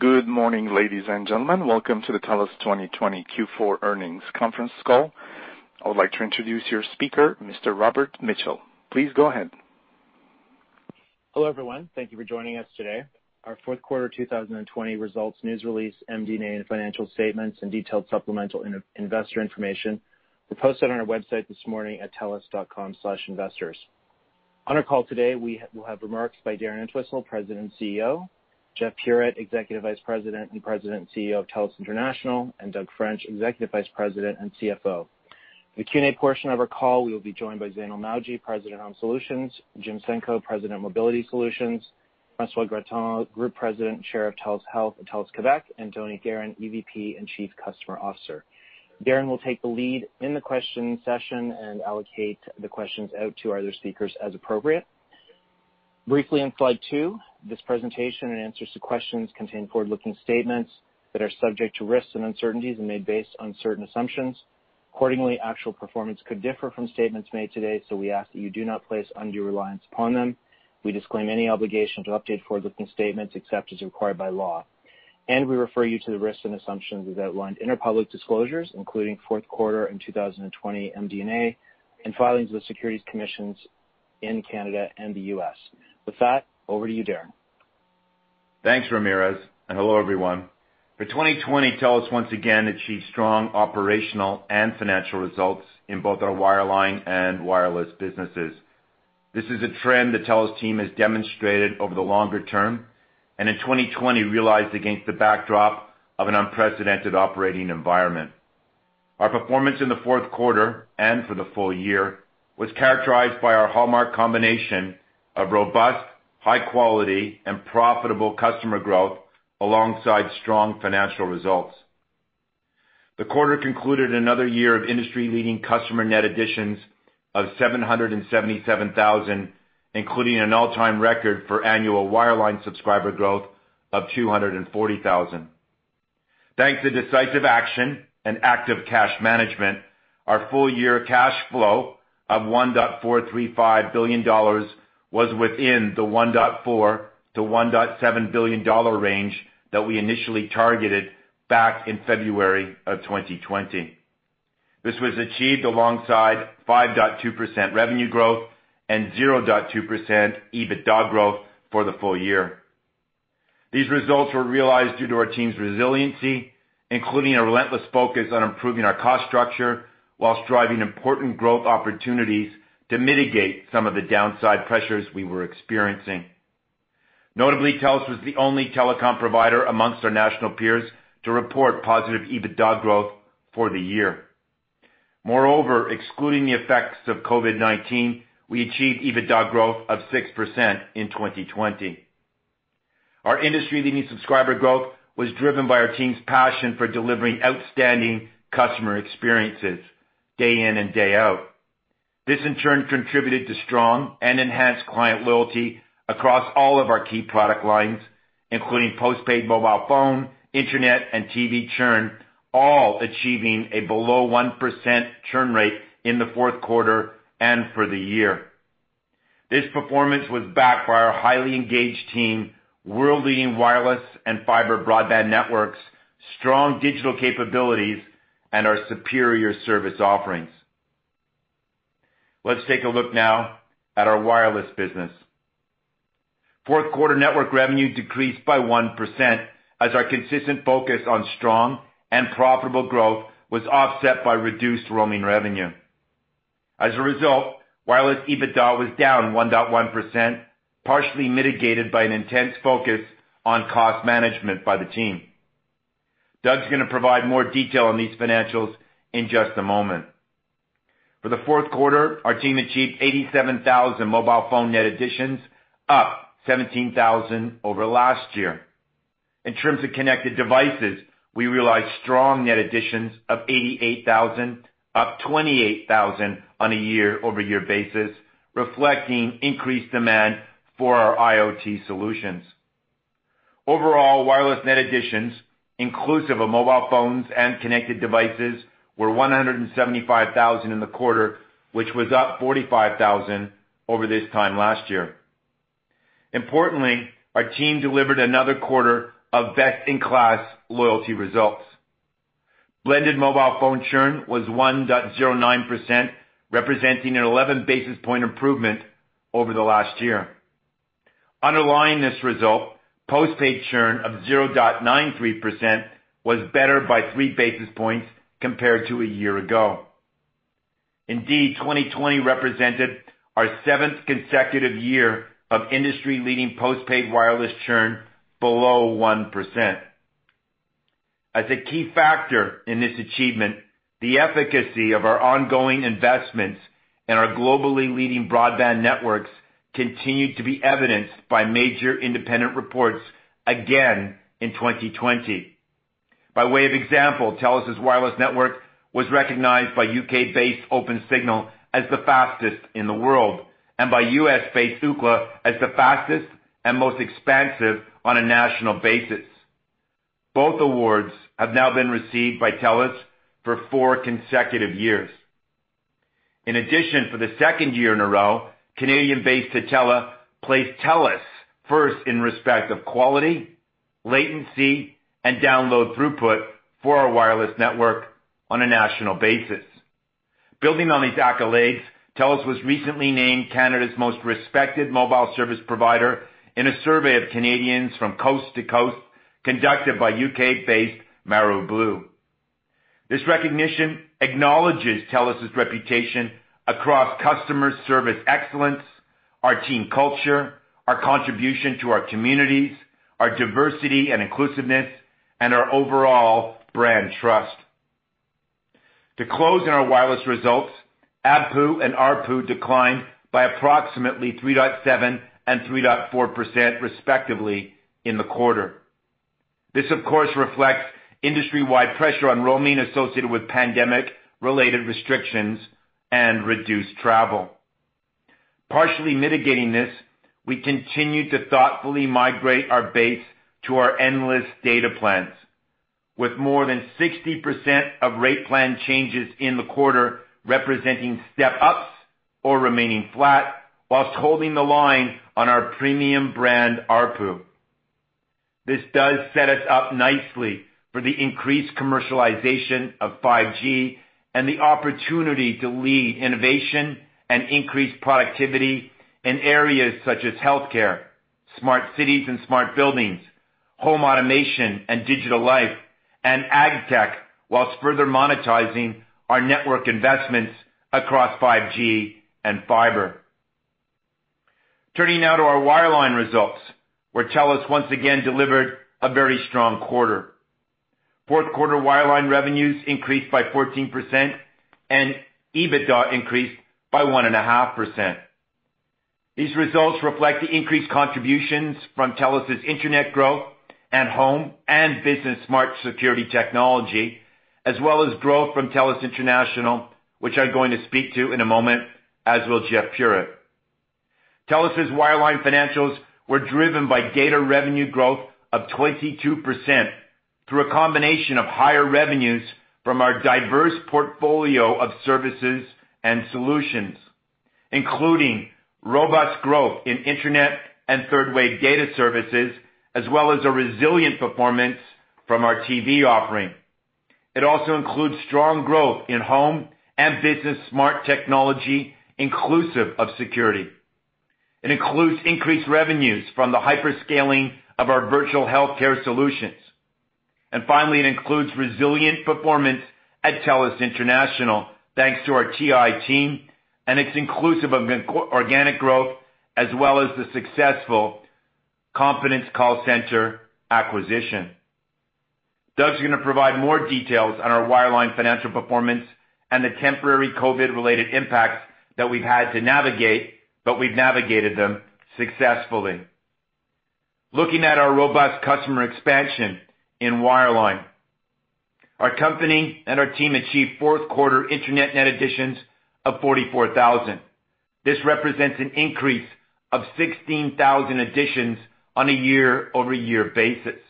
Good morning, ladies and gentlemen. Welcome to the TELUS 2020 Q4 earnings conference call. I would like to introduce your speaker, Mr. Robert Mitchell. Please go ahead. Hello, everyone. Thank you for joining us today. Our fourth quarter 2020 results, news release, MD&A, and financial statements, and detailed supplemental investor information were posted on our website this morning at telus.com/investors. On our call today, we'll have remarks by Darren Entwistle, President and CEO, Jeff Puritt, Executive Vice President and President and CEO of TELUS International, and Doug French, Executive Vice President and CFO. The Q&A portion of our call will be joined by Zainul Mawji, President Home Solutions, Jim Senko, President Mobility Solutions, François Gratton, Group President, Chair of TELUS Health and TELUS Quebec, and Tony Geheran, EVP and Chief Customer Officer. Darren will take the lead in the question session and allocate the questions out to our other speakers as appropriate. Briefly on slide two, this presentation and answers to questions contain forward-looking statements that are subject to risks and uncertainties and made based on certain assumptions. Accordingly, actual performance could differ from statements made today, so we ask that you do not place undue reliance upon them. We disclaim any obligation to update forward-looking statements except as required by law, and we refer you to the risks and assumptions as outlined in our public disclosures, including fourth quarter and 2020 MD&A, and filings with securities commissions in Canada and the U.S. With that, over to you, Darren. Thanks, Ramirez, and hello, everyone. For 2020, TELUS once again achieved strong operational and financial results in both our wireline and wireless businesses. This is a trend the TELUS team has demonstrated over the longer term, and in 2020 realized against the backdrop of an unprecedented operating environment. Our performance in the fourth quarter and for the full year was characterized by our hallmark combination of robust, high quality, and profitable customer growth alongside strong financial results. The quarter concluded another year of industry-leading customer net additions of 777,000, including an all-time record for annual wireline subscriber growth of 240,000. Thanks to decisive action and active cash management, our full-year cash flow of 1.435 billion dollars was within the 1.4 billion-1.7 billion dollar range that we initially targeted back in February of 2020. This was achieved alongside 5.2% revenue growth and 0.2% EBITDA growth for the full year. These results were realized due to our team's resiliency, including a relentless focus on improving our cost structure while driving important growth opportunities to mitigate some of the downside pressures we were experiencing. Notably, TELUS was the only telecom provider among our national peers to report positive EBITDA growth for the year. Moreover, excluding the effects of COVID-19, we achieved EBITDA growth of 6% in 2020. Our industry-leading subscriber growth was driven by our team's passion for delivering outstanding customer experiences day in and day out. This, in turn, contributed to strong and enhanced client loyalty across all of our key product lines, including postpaid mobile phone, internet, and TV churn, all achieving a below 1% churn rate in the fourth quarter and for the year. This performance was backed by our highly engaged team, world-leading wireless and fiber broadband networks, strong digital capabilities, and our superior service offerings. Let's take a look now at our wireless business. Fourth quarter network revenue decreased by 1% as our consistent focus on strong and profitable growth was offset by reduced roaming revenue. Wireless EBITDA was down 1.1%, partially mitigated by an intense focus on cost management by the team. Doug's going to provide more detail on these financials in just a moment. For the fourth quarter, our team achieved 87,000 mobile phone net additions, up 17,000 over last year. In terms of connected devices, we realized strong net additions of 88,000, up 28,000 on a year-over-year basis, reflecting increased demand for our IoT solutions. Wireless net additions, inclusive of mobile phones and connected devices, were 175,000 in the quarter, which was up 45,000 over this time last year. Our team delivered another quarter of best-in-class loyalty results. Blended mobile phone churn was 1.09%, representing an 11-basis-point improvement over the last year. Underlying this result, postpaid churn of 0.93% was better by 3 basis points compared to a year ago. Indeed, 2020 represented our seventh consecutive year of industry-leading postpaid wireless churn below 1%. As a key factor in this achievement, the efficacy of our ongoing investments and our globally leading broadband networks continued to be evidenced by major independent reports again in 2020. By way of example, TELUS' wireless network was recognized by U.K.-based Opensignal as the fastest in the world, and by U.S.-based Ookla as the fastest and most expansive on a national basis. Both awards have now been received by TELUS for four consecutive years. In addition, for the second year in a row, Canadian-based Tutela placed TELUS first in respect of quality, latency, and download throughput for our wireless network on a national basis. Building on these accolades, TELUS was recently named Canada's most respected mobile service provider in a survey of Canadians from coast to coast, conducted by U.K.-based Maru/Blue. This recognition acknowledges TELUS's reputation across customer service excellence, our team culture, our contribution to our communities, our diversity and inclusiveness, and our overall brand trust. To close on our wireless results, ABPU and ARPU declined by approximately 3.7% and 3.4% respectively in the quarter. This, of course, reflects industry-wide pressure on roaming associated with pandemic-related restrictions and reduced travel. Partially mitigating this, we continued to thoughtfully migrate our base to our Endless Data plans. With more than 60% of rate plan changes in the quarter representing step-ups or remaining flat while holding the line on our premium brand ARPU. This does set us up nicely for the increased commercialization of 5G and the opportunity to lead innovation and increase productivity in areas such as healthcare, smart cities and smart buildings, home automation and digital life, and AgTech, while further monetizing our network investments across 5G and fiber. Turning now to our wireline results, where TELUS once again delivered a very strong quarter. Fourth quarter wireline revenues increased by 14%, and EBITDA increased by 1.5%. These results reflect the increased contributions from TELUS's internet growth and home and business smart security technology, as well as growth from TELUS International, which I'm going to speak to in a moment, as will Jeff Puritt. TELUS's wireline financials were driven by data revenue growth of 22% through a combination of higher revenues from our diverse portfolio of services and solutions, including robust growth in internet and third-wave data services, as well as a resilient performance from our TV offering. It also includes strong growth in home and business smart technology, inclusive of security. It includes increased revenues from the hyperscaling of our virtual healthcare solutions. Finally, it includes resilient performance at TELUS International, thanks to our TI team, and it's inclusive of organic growth, as well as the successful Competence Call Center acquisition. Doug's going to provide more details on our wireline financial performance and the temporary COVID-related impacts that we've had to navigate, but we've navigated them successfully. Looking at our robust customer expansion in wireline. Our company and our team achieved fourth quarter internet net additions of 44,000. This represents an increase of 16,000 additions on a year-over-year basis.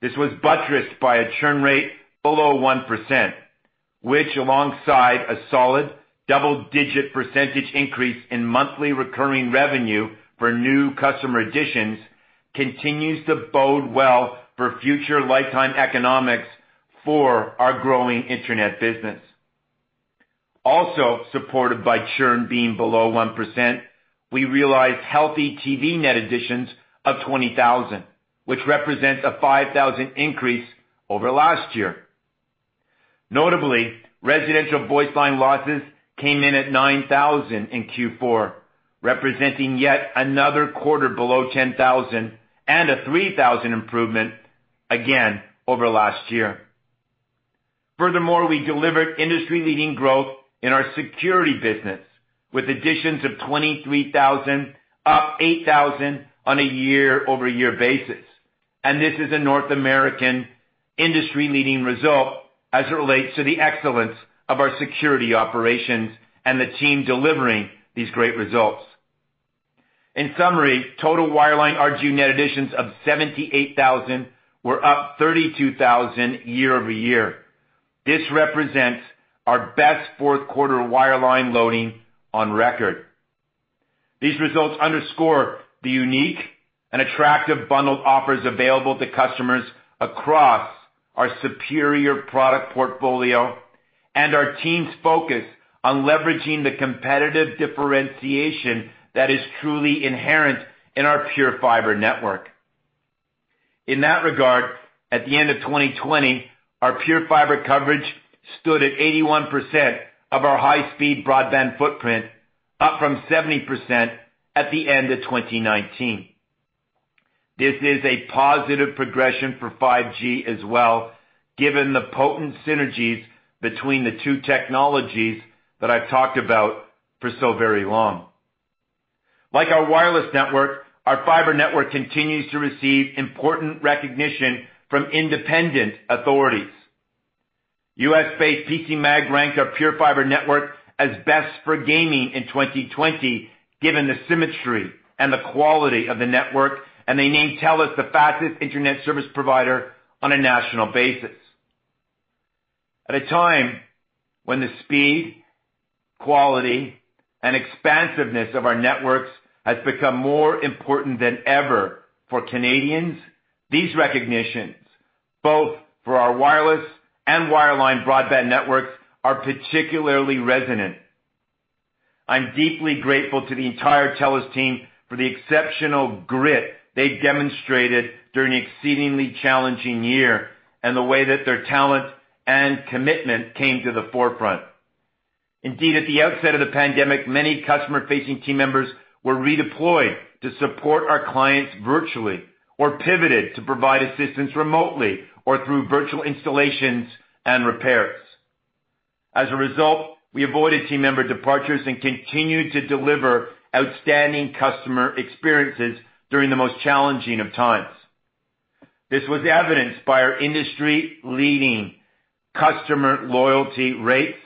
This was buttressed by a churn rate below 1%, which alongside a solid double-digit percentage increase in monthly recurring revenue for new customer additions, continues to bode well for future lifetime economics for our growing internet business. Supported by churn being below 1%, we realized healthy TV net additions of 20,000, which represents a 5,000 increase over last year. Notably, residential voice line losses came in at 9,000 in Q4, representing yet another quarter below 10,000 and a 3,000 improvement, again, over last year. We delivered industry-leading growth in our TELUS Security business with additions of 23,000, up 8,000 on a year-over-year basis. This is a North American industry-leading result as it relates to the excellence of our security operations and the team delivering these great results. In summary, total wireline RGU net additions net additions of 78,000 were up 32,000 year-over-year. This represents our best fourth quarter wireline loading on record. These results underscore the unique and attractive bundled offers available to customers across our superior product portfolio and our team's focus on leveraging the competitive differentiation that is truly inherent in our PureFibre network. In that regard, at the end of 2020, our PureFibre coverage stood at 81% of our high-speed broadband footprint, up from 70% at the end of 2019. This is a positive progression for 5G as well, given the potent synergies between the two technologies that I've talked about for so very long. Like our wireless network, our fiber network continues to receive important recognition from independent authorities. U.S.-based PCMag ranked our PureFibre network as best for gaming in 2020 given the symmetry and the quality of the network, and they named TELUS the fastest internet service provider on a national basis. At a time when the speed, quality, and expansiveness of our networks has become more important than ever for Canadians, these recognitions, both for our wireless and wireline broadband networks, are particularly resonant. I'm deeply grateful to the entire TELUS team for the exceptional grit they demonstrated during an exceedingly challenging year, and the way that their talent and commitment came to the forefront. Indeed, at the outset of the pandemic, many customer-facing team members were redeployed to support our clients virtually or pivoted to provide assistance remotely or through virtual installations and repairs. As a result, we avoided team member departures and continued to deliver outstanding customer experiences during the most challenging of times. This was evidenced by our industry-leading customer loyalty rates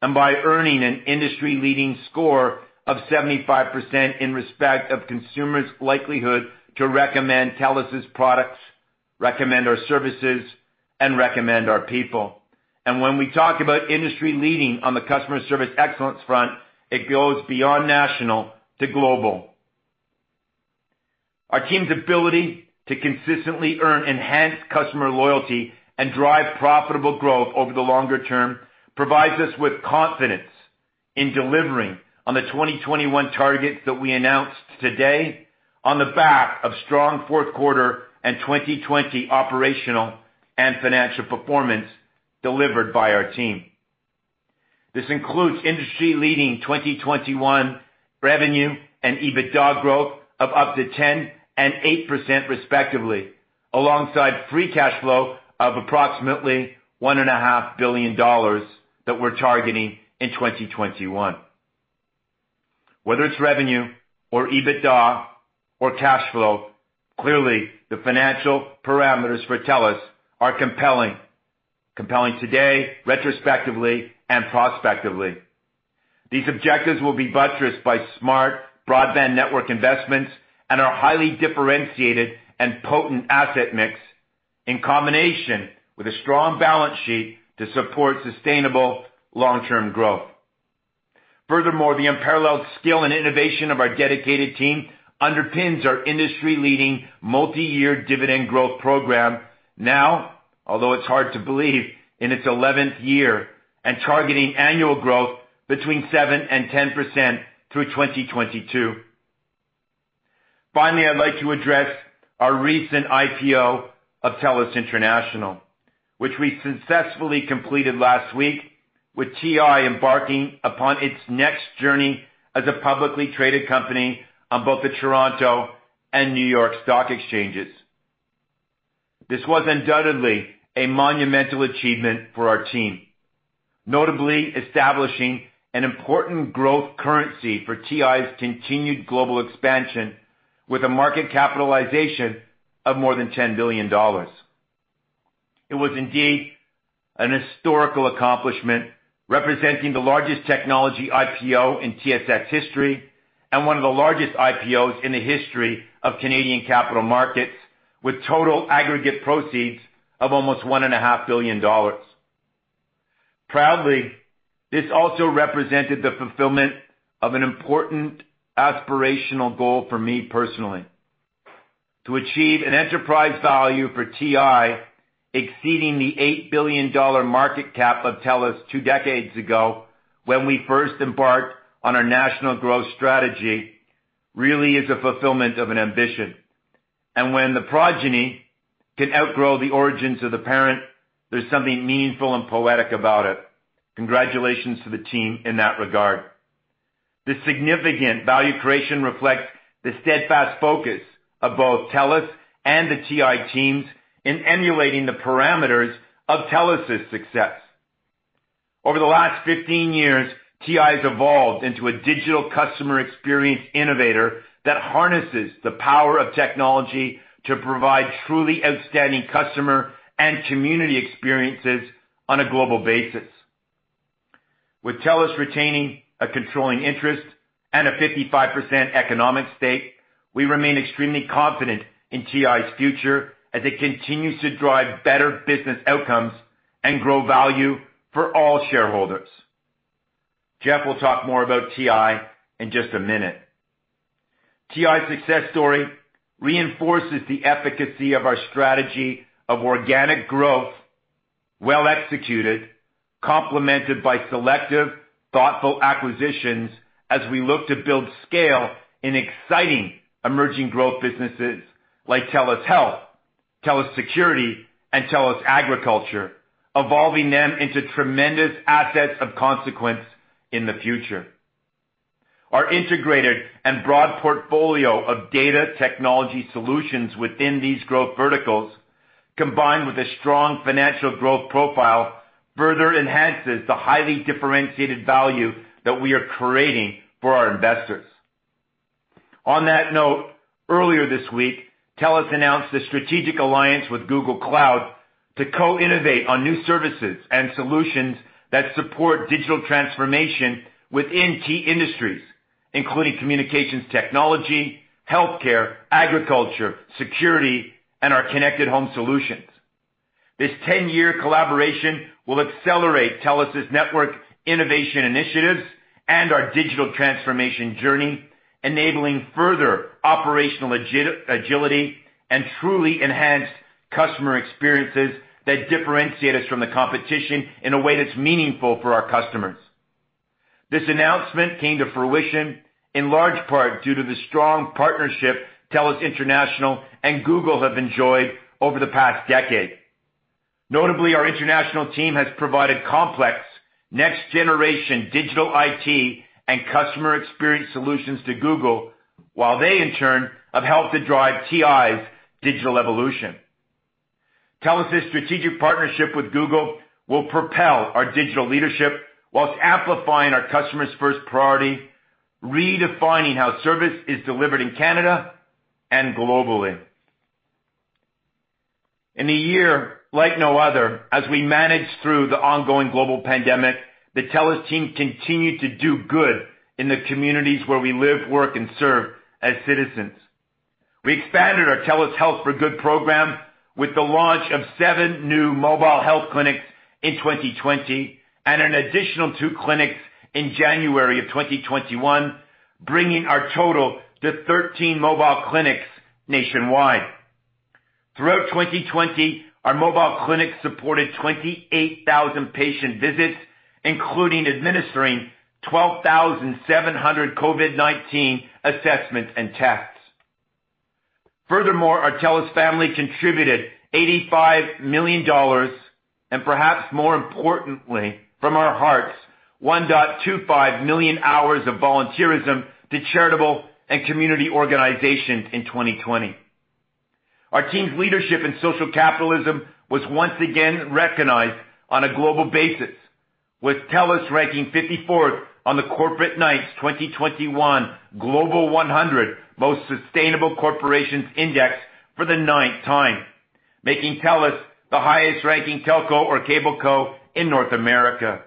and by earning an industry-leading score of 75% in respect of consumers' likelihood to recommend TELUS' products, recommend our services, and recommend our people. When we talk about industry-leading on the customer service excellence front, it goes beyond national to global. Our team's ability to consistently earn enhanced customer loyalty and drive profitable growth over the longer term provides us with confidence in delivering on the 2021 targets that we announced today on the back of strong fourth quarter and 2020 operational and financial performance delivered by our team. This includes industry-leading 2021 revenue and EBITDA growth of up to 10% and 8% respectively, alongside free cash flow of approximately 1.5 billion dollars that we're targeting in 2021. Whether it's revenue or EBITDA or cash flow, clearly the financial parameters for TELUS are compelling. Compelling today, retrospectively, and prospectively. These objectives will be buttressed by smart broadband network investments and our highly differentiated and potent asset mix in combination with a strong balance sheet to support sustainable long-term growth. Furthermore, the unparalleled skill and innovation of our dedicated team underpins our industry-leading multi-year dividend growth program now, although it's hard to believe, in its 11th year and targeting annual growth between 7% and 10% through 2022. Finally, I'd like to address our recent IPO of TELUS International, which we successfully completed last week with TI embarking upon its next journey as a publicly traded company on both the Toronto Stock Exchange and New York Stock Exchange. This was undoubtedly a monumental achievement for our team, notably establishing an important growth currency for TI's continued global expansion with a market capitalization of more than 10 billion dollars. It was indeed an historical accomplishment, representing the largest technology IPO in TSX history and one of the largest IPOs in the history of Canadian capital markets, with total aggregate proceeds of almost 1.5 billion dollars. Proudly, this also represented the fulfillment of an important aspirational goal for me personally. To achieve an enterprise value for TI exceeding the 8 billion dollar market cap of TELUS two decades ago when we first embarked on our national growth strategy really is a fulfillment of an ambition. When the progeny can outgrow the origins of the parent, there's something meaningful and poetic about it. Congratulations to the team in that regard. This significant value creation reflects the steadfast focus of both TELUS and the TI teams in emulating the parameters of TELUS's success. Over the last 15 years, TI has evolved into a digital customer experience innovator that harnesses the power of technology to provide truly outstanding customer and community experiences on a global basis. With TELUS retaining a controlling interest and a 55% economic stake, we remain extremely confident in TI's future as it continues to drive better business outcomes and grow value for all shareholders. Jeff will talk more about TI in just a minute. TI's success story reinforces the efficacy of our strategy of organic growth, well executed, complemented by selective, thoughtful acquisitions as we look to build scale in exciting emerging growth businesses like TELUS Health, TELUS Security, and TELUS Agriculture, evolving them into tremendous assets of consequence in the future. Our integrated and broad portfolio of data technology solutions within these growth verticals, combined with a strong financial growth profile, further enhances the highly differentiated value that we are creating for our investors. On that note, earlier this week, TELUS announced a strategic alliance with Google Cloud to co-innovate on new services and solutions that support digital transformation within key industries. Including communications technology, healthcare, agriculture, security, and our connected home solutions. This 10-year collaboration will accelerate TELUS' network innovation initiatives and our digital transformation journey, enabling further operational agility and truly enhanced customer experiences that differentiate us from the competition in a way that's meaningful for our customers. This announcement came to fruition in large part due to the strong partnership TELUS International and Google have enjoyed over the past decade. Notably, our international team has provided complex next-generation digital IT and customer experience solutions to Google, while they in turn have helped to drive TI's digital evolution. TELUS' strategic partnership with Google will propel our digital leadership whilst amplifying our customers' first priority, redefining how service is delivered in Canada and globally. In a year like no other, as we manage through the ongoing global pandemic, the TELUS team continued to do good in the communities where we live, work, and serve as citizens. We expanded our TELUS Health for Good program with the launch of seven new mobile health clinics in 2020 and an additional two clinics in January of 2021, bringing our total to 13 mobile clinics nationwide. Throughout 2020, our mobile clinics supported 28,000 patient visits, including administering 12,700 COVID-19 assessments and tests. Furthermore, our TELUS family contributed 85 million dollars, and perhaps more importantly, from our hearts, 1.25 million hours of volunteerism to charitable and community organizations in 2020. Our team's leadership in social capitalism was once again recognized on a global basis, with TELUS ranking 54th on the Corporate Knights' 2021 Global 100 Most Sustainable Corporations Index for the ninth time, making TELUS the highest-ranking telco or cableco in North America.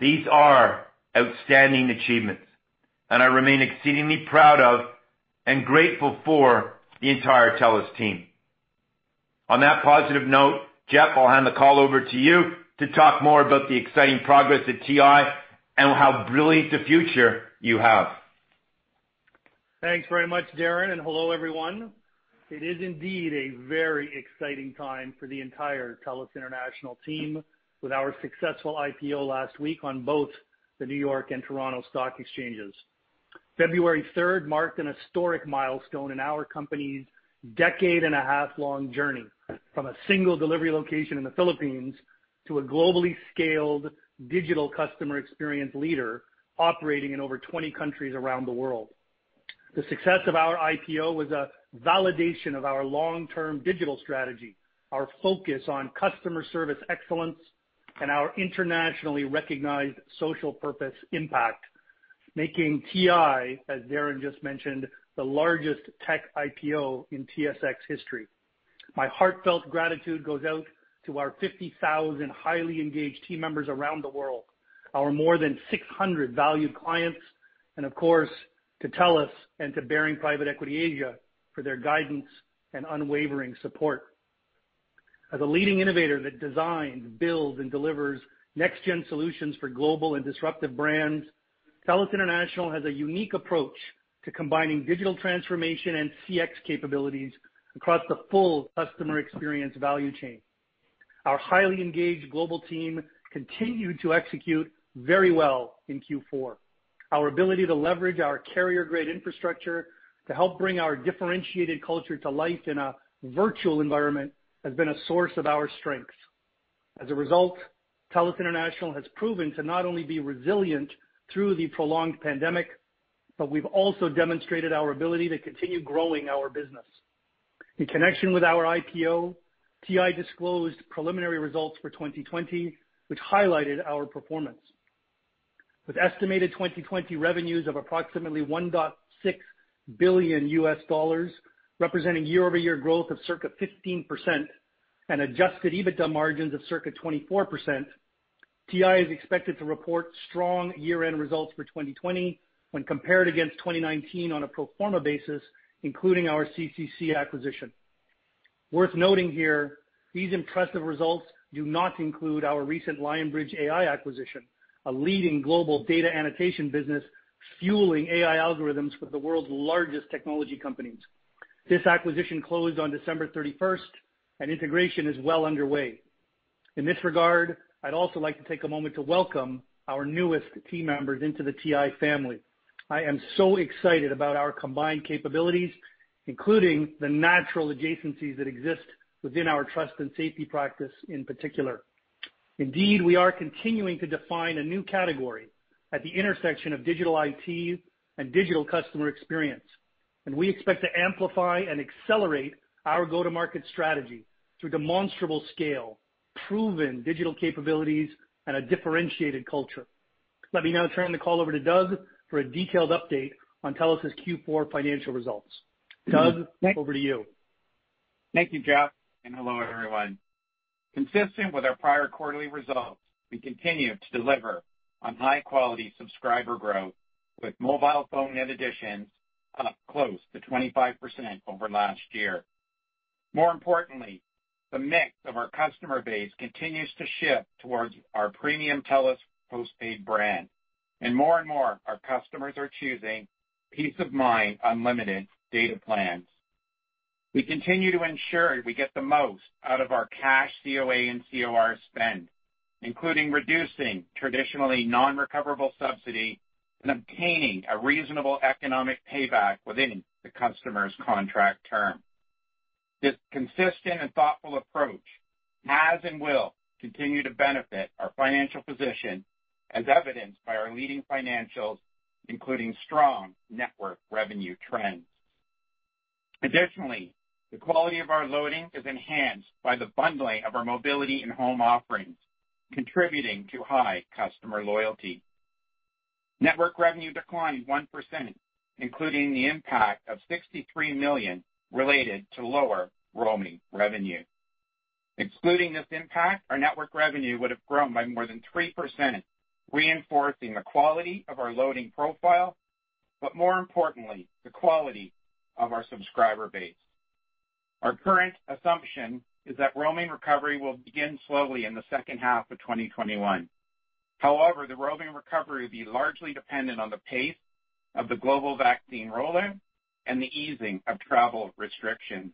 These are outstanding achievements, I remain exceedingly proud of and grateful for the entire TELUS team. On that positive note, Jeff, I'll hand the call over to you to talk more about the exciting progress at TI and how brilliant a future you have. Thanks very much, Darren, and hello, everyone. It is indeed a very exciting time for the entire TELUS International team with our successful IPO last week on both the New York Stock Exchange and Toronto Stock Exchange. February 3rd marked an historic milestone in our company's decade-and-a-half-long journey from a single delivery location in the Philippines to a globally scaled digital customer experience leader operating in over 20 countries around the world. The success of our IPO was a validation of our long-term digital strategy, our focus on customer service excellence, and our internationally recognized social purpose impact, making TI, as Darren just mentioned, the largest tech IPO in TSX history. My heartfelt gratitude goes out to our 50,000 highly engaged team members around the world, our more than 600 valued clients, and of course, to TELUS and to Baring Private Equity Asia for their guidance and unwavering support. As a leading innovator that designs, builds, and delivers next-gen solutions for global and disruptive brands, TELUS International has a unique approach to combining digital transformation and CX capabilities across the full customer experience value chain. Our highly engaged global team continued to execute very well in Q4. Our ability to leverage our carrier-grade infrastructure to help bring our differentiated culture to life in a virtual environment has been a source of our strength. As a result, TELUS International has proven to not only be resilient through the prolonged pandemic, but we've also demonstrated our ability to continue growing our business. In connection with our IPO, TI disclosed preliminary results for 2020, which highlighted our performance. With estimated 2020 revenues of approximately $1.6 billion, representing year-over-year growth of circa 15% and adjusted EBITDA margins of circa 24%, TI is expected to report strong year-end results for 2020 when compared against 2019 on a pro forma basis, including our CCC acquisition. Worth noting here, these impressive results do not include our recent Lionbridge AI acquisition, a leading global data annotation business fueling AI algorithms for the world's largest technology companies. This acquisition closed on December 31st, and integration is well underway. In this regard, I'd also like to take a moment to welcome our newest team members into the TI family. I am so excited about our combined capabilities, including the natural adjacencies that exist within our trust and safety practice in particular. Indeed, we are continuing to define a new category at the intersection of digital IT and digital customer experience, and we expect to amplify and accelerate our go-to-market strategy through demonstrable scale, proven digital capabilities, and a differentiated culture. Let me now turn the call over to Doug for a detailed update on TELUS's Q4 financial results. Doug, over to you. Thank you, Jeff, and hello, everyone. Consistent with our prior quarterly results, we continue to deliver on high-quality subscriber growth with mobile phone net additions up close to 25% over last year. More importantly, the mix of our customer base continues to shift towards our premium TELUS postpaid brand. More and more, our customers are choosing Peace of Mind unlimited data plans. We continue to ensure we get the most out of our cash COA and COR spend, including reducing traditionally non-recoverable subsidy and obtaining a reasonable economic payback within the customer's contract term. This consistent and thoughtful approach has and will continue to benefit our financial position as evidenced by our leading financials, including strong network revenue trends. Additionally, the quality of our loading is enhanced by the bundling of our mobility and home offerings, contributing to high customer loyalty. Network revenue declined 1%, including the impact of 63 million related to lower roaming revenue. Excluding this impact, our network revenue would have grown by more than 3%, reinforcing the quality of our loading profile, but more importantly, the quality of our subscriber base. Our current assumption is that roaming recovery will begin slowly in the second half of 2021. The roaming recovery will be largely dependent on the pace of the global vaccine rollout and the easing of travel restrictions,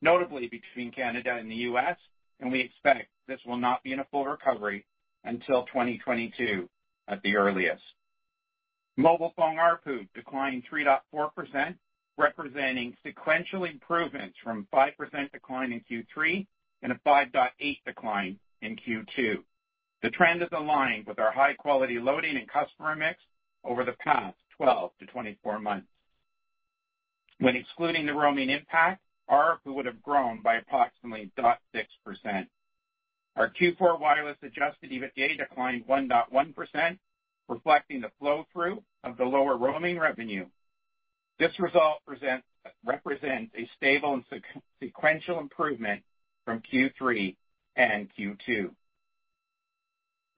notably between Canada and the U.S., and we expect this will not be in a full recovery until 2022 at the earliest. Mobile phone ARPU declined 3.4%, representing sequential improvements from 5% decline in Q3 and a 5.8% decline in Q2. The trend is aligned with our high-quality loading and customer mix over the past 12 to 24 months. When excluding the roaming impact, ARPU would have grown by approximately 0.6%. Our Q4 wireless adjusted EBITDA declined 1.1%, reflecting the flow-through of the lower roaming revenue. This result represents a stable and sequential improvement from Q3 and Q2.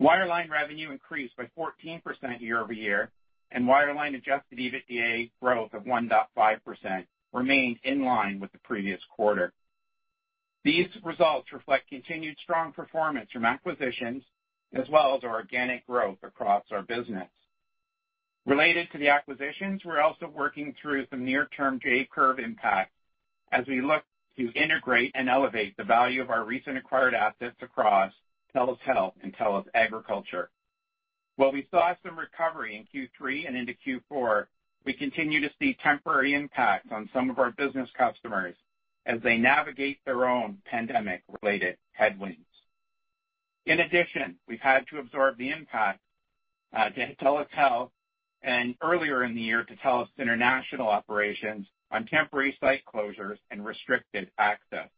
Wireline revenue increased by 14% year-over-year, and wireline adjusted EBITDA growth of 1.5% remained in line with the previous quarter. These results reflect continued strong performance from acquisitions, as well as our organic growth across our business. Related to the acquisitions, we're also working through some near-term J-curve impacts as we look to integrate and elevate the value of our recent acquired assets across TELUS Health and TELUS Agriculture. While we saw some recovery in Q3 and into Q4, we continue to see temporary impacts on some of our business customers as they navigate their own pandemic-related headwinds. In addition, we've had to absorb the impact to TELUS Health and earlier in the year to TELUS International operations on temporary site closures and restricted access.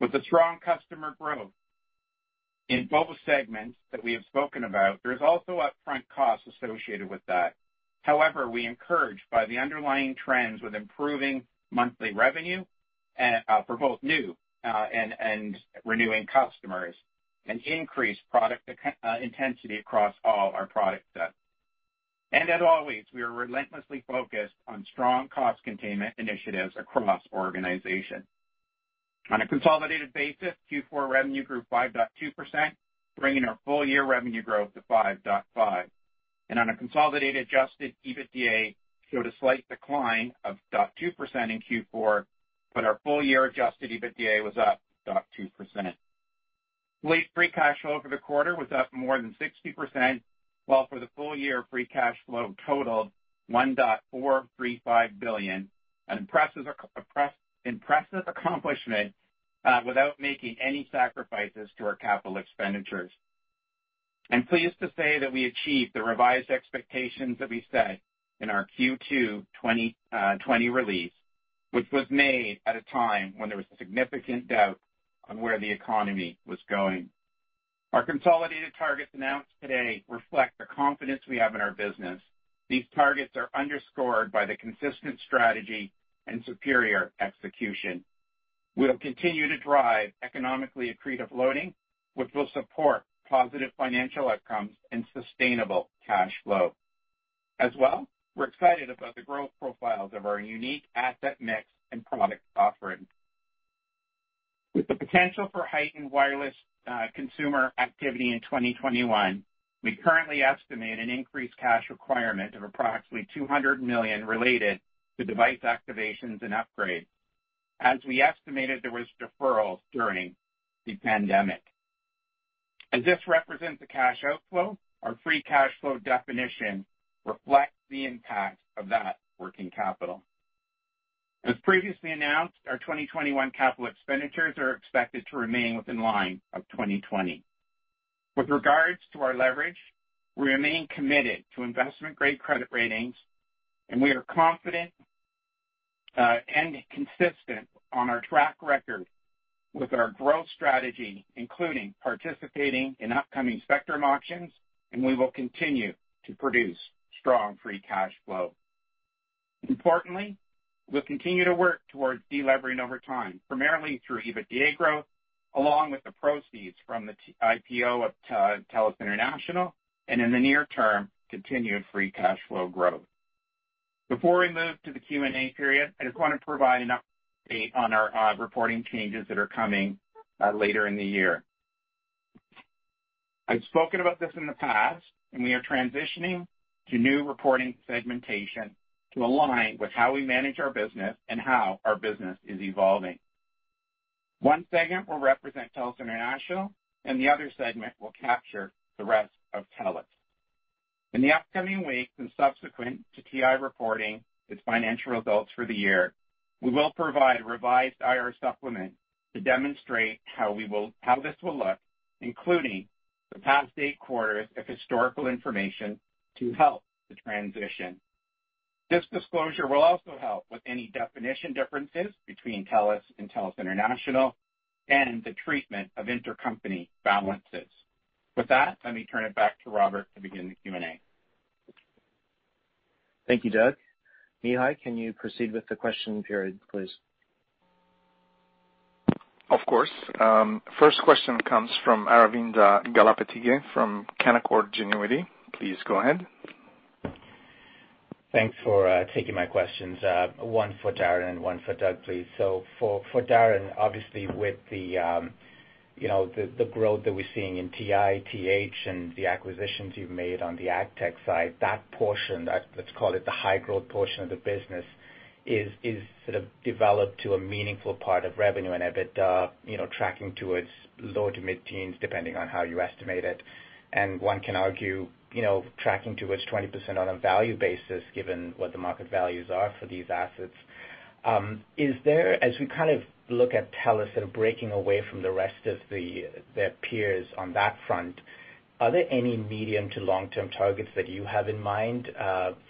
With the strong customer growth in both segments that we have spoken about, there's also upfront costs associated with that. We encouraged by the underlying trends with improving monthly revenue for both new and renewing customers and increased product intensity across all our product set. As always, we are relentlessly focused on strong cost containment initiatives across our organization. On a consolidated basis, Q4 revenue grew 5.2%, bringing our full-year revenue growth to 5.5%. On a consolidated adjusted EBITDA, showed a slight decline of 0.2% in Q4, but our full-year adjusted EBITDA was up 0.2%. Levered free cash flow for the quarter was up more than 60%, while for the full year, free cash flow totaled 1.435 billion, an impressive accomplishment without making any sacrifices to our capital expenditures. I'm pleased to say that we achieved the revised expectations that we set in our Q2 2020 release, which was made at a time when there was significant doubt on where the economy was going. Our consolidated targets announced today reflect the confidence we have in our business. These targets are underscored by the consistent strategy and superior execution. We'll continue to drive economically accretive loading, which will support positive financial outcomes and sustainable cash flow. As well, we're excited about the growth profiles of our unique asset mix and product offerings. With the potential for heightened wireless consumer activity in 2021, we currently estimate an increased cash requirement of approximately 200 million related to device activations and upgrades. As we estimated there was deferrals during the pandemic. As this represents a cash outflow, our free cash flow definition reflects the impact of that working capital. As previously announced, our 2021 capital expenditures are expected to remain within line of 2020. With regards to our leverage, we remain committed to investment-grade credit ratings, and we are confident and consistent on our track record with our growth strategy, including participating in upcoming spectrum auctions, and we will continue to produce strong free cash flow. Importantly, we'll continue to work towards de-levering over time, primarily through EBITDA growth, along with the proceeds from the IPO of TELUS International, and in the near term, continued free cash flow growth. Before we move to the Q&A period, I just want to provide an update on our reporting changes that are coming later in the year. I've spoken about this in the past. We are transitioning to new reporting segmentation to align with how we manage our business and how our business is evolving. One segment will represent TELUS International, and the other segment will capture the rest of TELUS. In the upcoming weeks and subsequent to TI reporting its financial results for the year, we will provide a revised IR supplement to demonstrate how this will look, including the past eight quarters of historical information to help the transition. This disclosure will also help with any definition differences between TELUS and TELUS International and the treatment of intercompany balances. With that, let me turn it back to Robert to begin the Q&A. Thank you, Doug. Mihai, can you proceed with the question period, please? Of course. First question comes from Aravinda Galappatthige from Canaccord Genuity. Please go ahead. Thanks for taking my questions. One for Darren and one for Doug, please. For Darren, obviously with the growth that we're seeing in TI, TH, and the acquisitions you've made on the AgTech side, that portion, let's call it the high growth portion of the business, is sort of developed to a meaningful part of revenue and EBITDA, tracking towards low to mid-teens, depending on how you estimate it. One can argue, tracking towards 20% on a value basis, given what the market values are for these assets. As we look at TELUS sort of breaking away from the rest of their peers on that front, are there any medium to long-term targets that you have in mind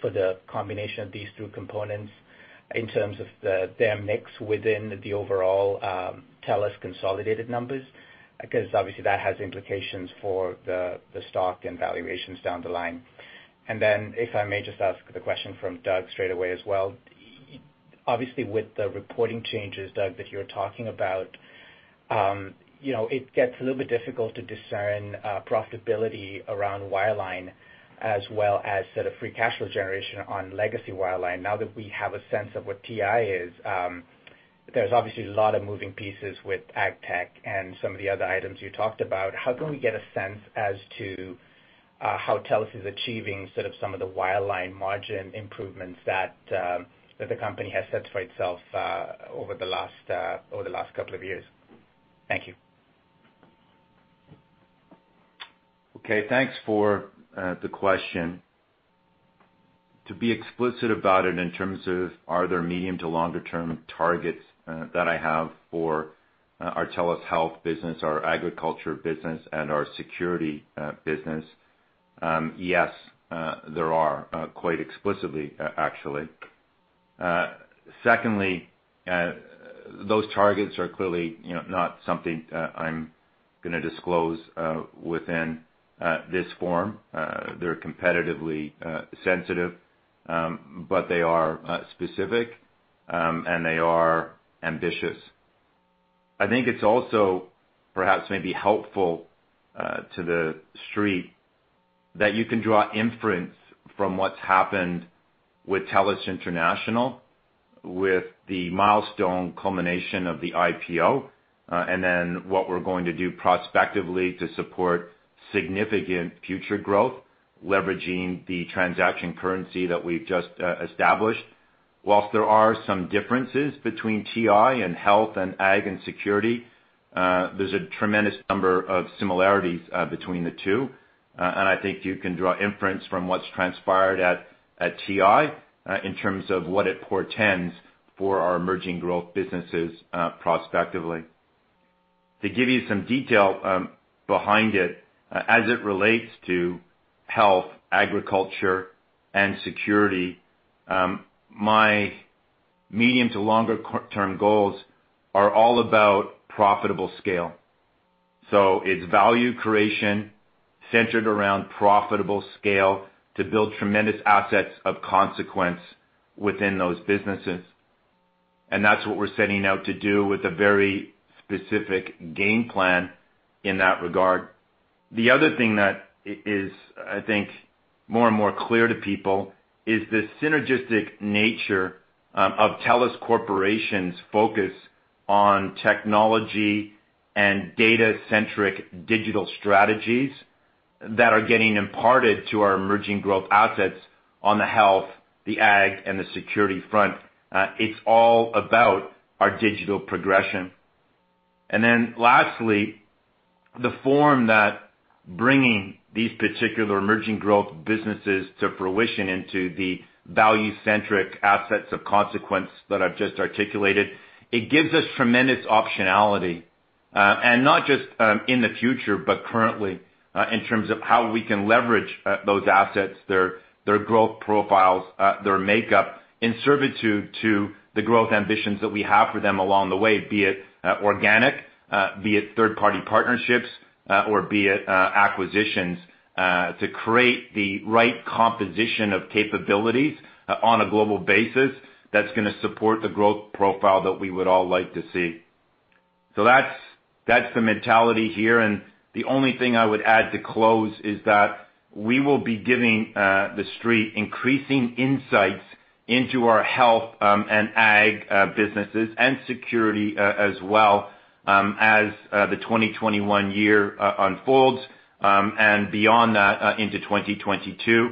for the combination of these two components in terms of their mix within the overall TELUS consolidated numbers? Obviously that has implications for the stock and valuations down the line. If I may just ask the question from Doug straight away as well. Obviously, with the reporting changes, Doug, that you're talking about, it gets a little bit difficult to discern profitability around wireline as well as sort of free cash flow generation on legacy wireline. Now that we have a sense of what TI is, there's obviously a lot of moving pieces with AgTech and some of the other items you talked about. How can we get a sense as to how TELUS is achieving sort of some of the wireline margin improvements that the company has set for itself over the last couple of years? Thank you. Okay. Thanks for the question. To be explicit about it in terms of are there medium to longer term targets that I have for our TELUS Health business, our Agriculture business and our Security business, yes, there are, quite explicitly, actually. Secondly, those targets are clearly not something I'm going to disclose within this forum. They're competitively sensitive, but they are specific, and they are ambitious. I think it's also perhaps maybe helpful to the Street that you can draw inference from what's happened with TELUS International, with the milestone culmination of the IPO, and then what we're going to do prospectively to support significant future growth, leveraging the transaction currency that we've just established. Whilst there are some differences between TI and Health and Ag and Security, there's a tremendous number of similarities between the two. I think you can draw inference from what's transpired at TI in terms of what it portends for our emerging growth businesses prospectively. To give you some detail behind it, as it relates to Health, Agriculture, and Security, my medium to longer term goals are all about profitable scale. It's value creation centered around profitable scale to build tremendous assets of consequence within those businesses. That's what we're setting out to do with a very specific game plan in that regard. The other thing that is, I think, more and more clear to people is the synergistic nature of TELUS Corporation's focus on technology and data-centric digital strategies that are getting imparted to our emerging growth assets on the Health, the Ag, and the Security front. It's all about our digital progression. Lastly, the form that bringing these particular emerging growth businesses to fruition into the value-centric assets of consequence that I've just articulated, it gives us tremendous optionality. Not just in the future, but currently, in terms of how we can leverage those assets, their growth profiles, their makeup in servitude to the growth ambitions that we have for them along the way, be it organic, be it third-party partnerships, or be it acquisitions, to create the right composition of capabilities on a global basis that's going to support the growth profile that we would all like to see. That's the mentality here, the only thing I would add to close is that we will be giving the street increasing insights into our Health and Ag businesses and Security as well, as the 2021 year unfolds, and beyond that, into 2022.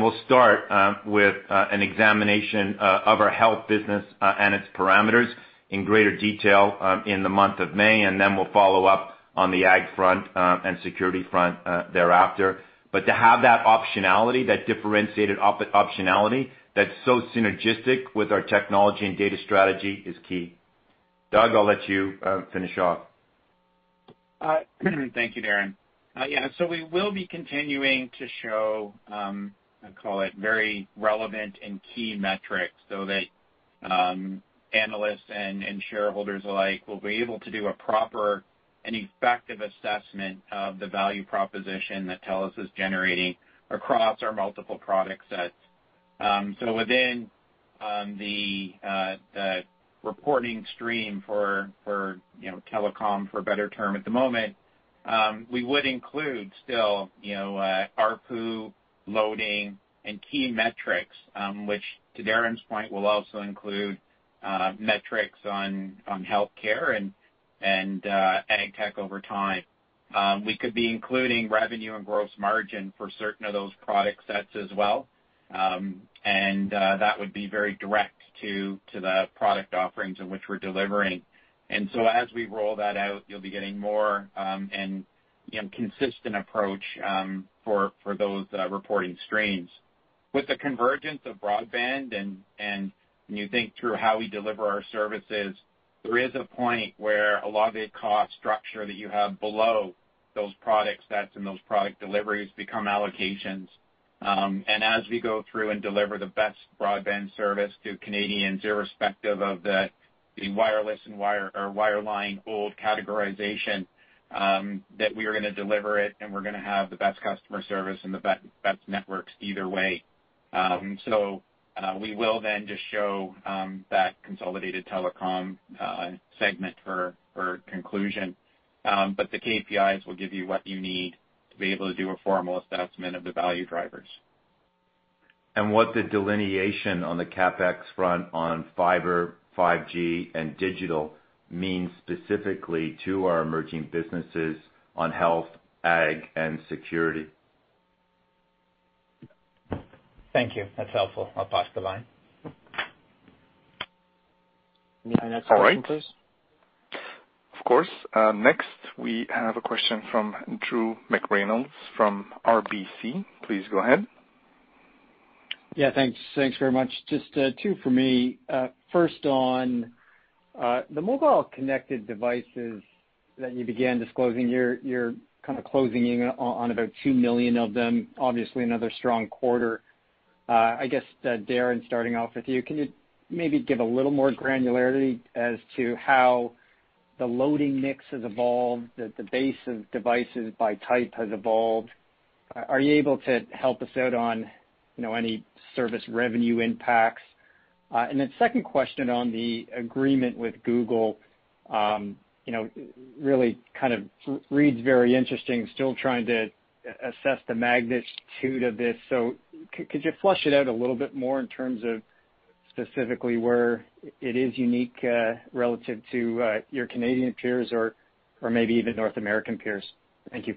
We'll start with an examination of our Health business and its parameters in greater detail in the month of May, we'll follow up on the Ag front and Security front thereafter. To have that optionality, that differentiated optionality, that's so synergistic with our technology and data strategy is key. Doug, I'll let you finish off. Thank you, Darren. Yeah. We will be continuing to show, I call it very relevant and key metrics so that analysts and shareholders alike will be able to do a proper and effective assessment of the value proposition that TELUS is generating across our multiple product sets. Within the reporting stream for telecom, for a better term at the moment, we would include still ARPU loading and key metrics, which to Darren's point, will also include metrics on healthcare and AgTech over time. We could be including revenue and gross margin for certain of those product sets as well. That would be very direct to the product offerings in which we're delivering. As we roll that out, you'll be getting more and consistent approach for those reporting streams. With the convergence of broadband and when you think through how we deliver our services, there is a point where a lot of the cost structure that you have below those product sets and those product deliveries become allocations. As we go through and deliver the best broadband service to Canadians, irrespective of the wireless and wire or wireline old categorization, that we are going to deliver it, and we're going to have the best customer service and the best networks either way. We will then just show that consolidated telecom segment for conclusion. The KPIs will give you what you need to be able to do a formal assessment of the value drivers. What the delineation on the CapEx front on fiber, 5G and digital means specifically to our emerging businesses on Health, Ag, and Security. Thank you. That's helpful. I'll pass the line. All right. Next question, please. Of course. Next we have a question from Drew McReynolds from RBC Capital Markets. Please go ahead. Yeah, thanks very much. Just two for me. First on, the mobile connected devices that you began disclosing, you're closing in on about 2 million of them. Obviously another strong quarter. I guess, Darren, starting off with you, can you maybe give a little more granularity as to how the loading mix has evolved, the base of devices by type has evolved? Are you able to help us out on any service revenue impacts? Second question on the agreement with Google. Really reads very interesting, still trying to assess the magnitude of this. Could you flesh it out a little bit more in terms of specifically where it is unique relative to your Canadian peers or maybe even North American peers? Thank you.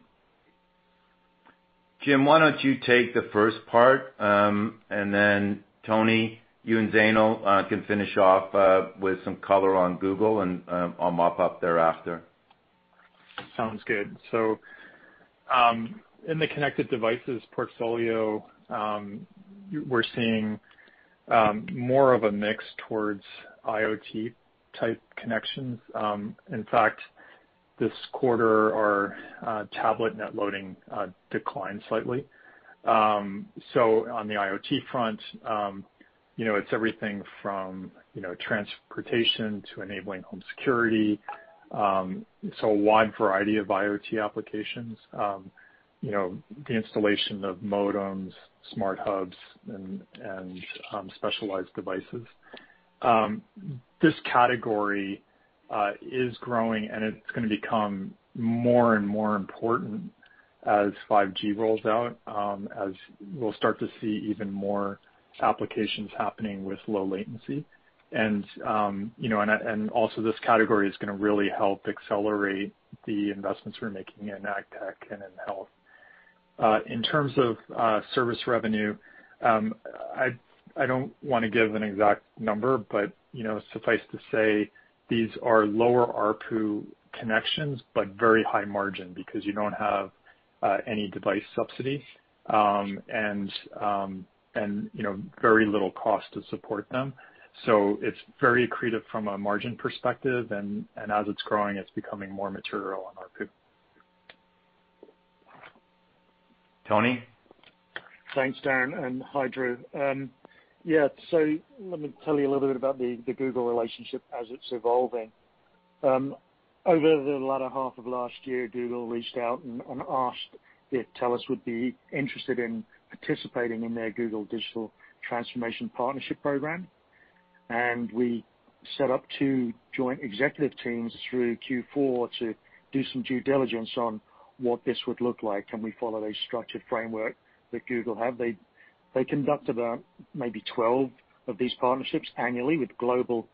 Jim, why don't you take the first part, and then Tony, you and Zainul can finish off with some color on Google, and I'll mop up thereafter. Sounds good. In the connected devices portfolio, we're seeing more of a mix towards IoT type connections. In fact, this quarter, our tablet net loading declined slightly. On the IoT front, it's everything from transportation to enabling home security. A wide variety of IoT applications. The installation of modems, smart hubs, and specialized devices. This category is growing, and it's going to become more and more important as 5G rolls out, as we'll start to see even more applications happening with low latency. This category is going to really help accelerate the investments we're making in AgTech and in Health. In terms of service revenue, I don't want to give an exact number, but suffice to say, these are lower ARPU connections, but very high margin because you don't have any device subsidy, and very little cost to support them. It's very accretive from a margin perspective, and as it's growing, it's becoming more material on ARPU. Tony? Thanks, Darren. Hi, Drew. Yeah. Let me tell you a little bit about the Google relationship as it's evolving. Over the latter half of last year, Google reached out and asked if TELUS would be interested in participating in their Google Digital Transformation Partnership program. We set up two joint executive teams through Q4 to do some due diligence on what this would look like. We follow a structured framework that Google have. They conduct about maybe 12 of these partnerships annually with global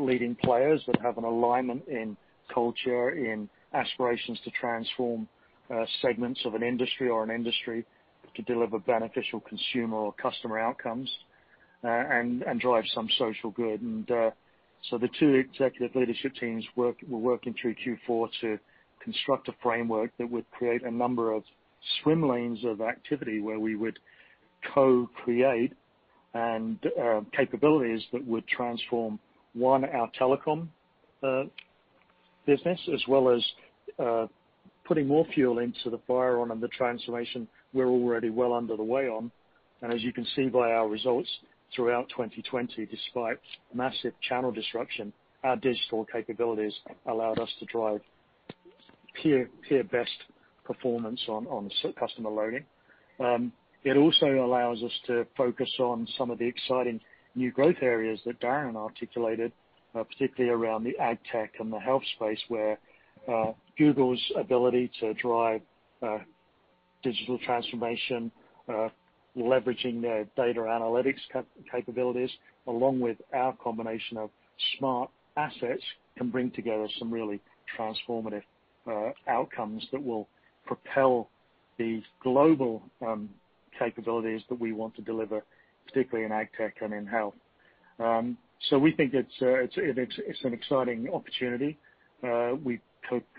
leading players that have an alignment in culture, in aspirations to transform segments of an industry or an industry to deliver beneficial consumer or customer outcomes and drive some social good. The two executive leadership teams were working through Q4 to construct a framework that would create a number of swim lanes of activity where we would co-create and capabilities that would transform, one, our telecom business, as well as putting more fuel into the fire on the transformation we're already well under the way on. As you can see by our results throughout 2020, despite massive channel disruption, our digital capabilities allowed us to drive peer best performance on customer loading. It also allows us to focus on some of the exciting new growth areas that Darren articulated, particularly around the AgTech and the Health space, where Google's ability to drive digital transformation, leveraging their data analytics capabilities, along with our combination of smart assets, can bring together some really transformative outcomes that will propel these global capabilities that we want to deliver, particularly in AgTech and in Health. We think it's an exciting opportunity. We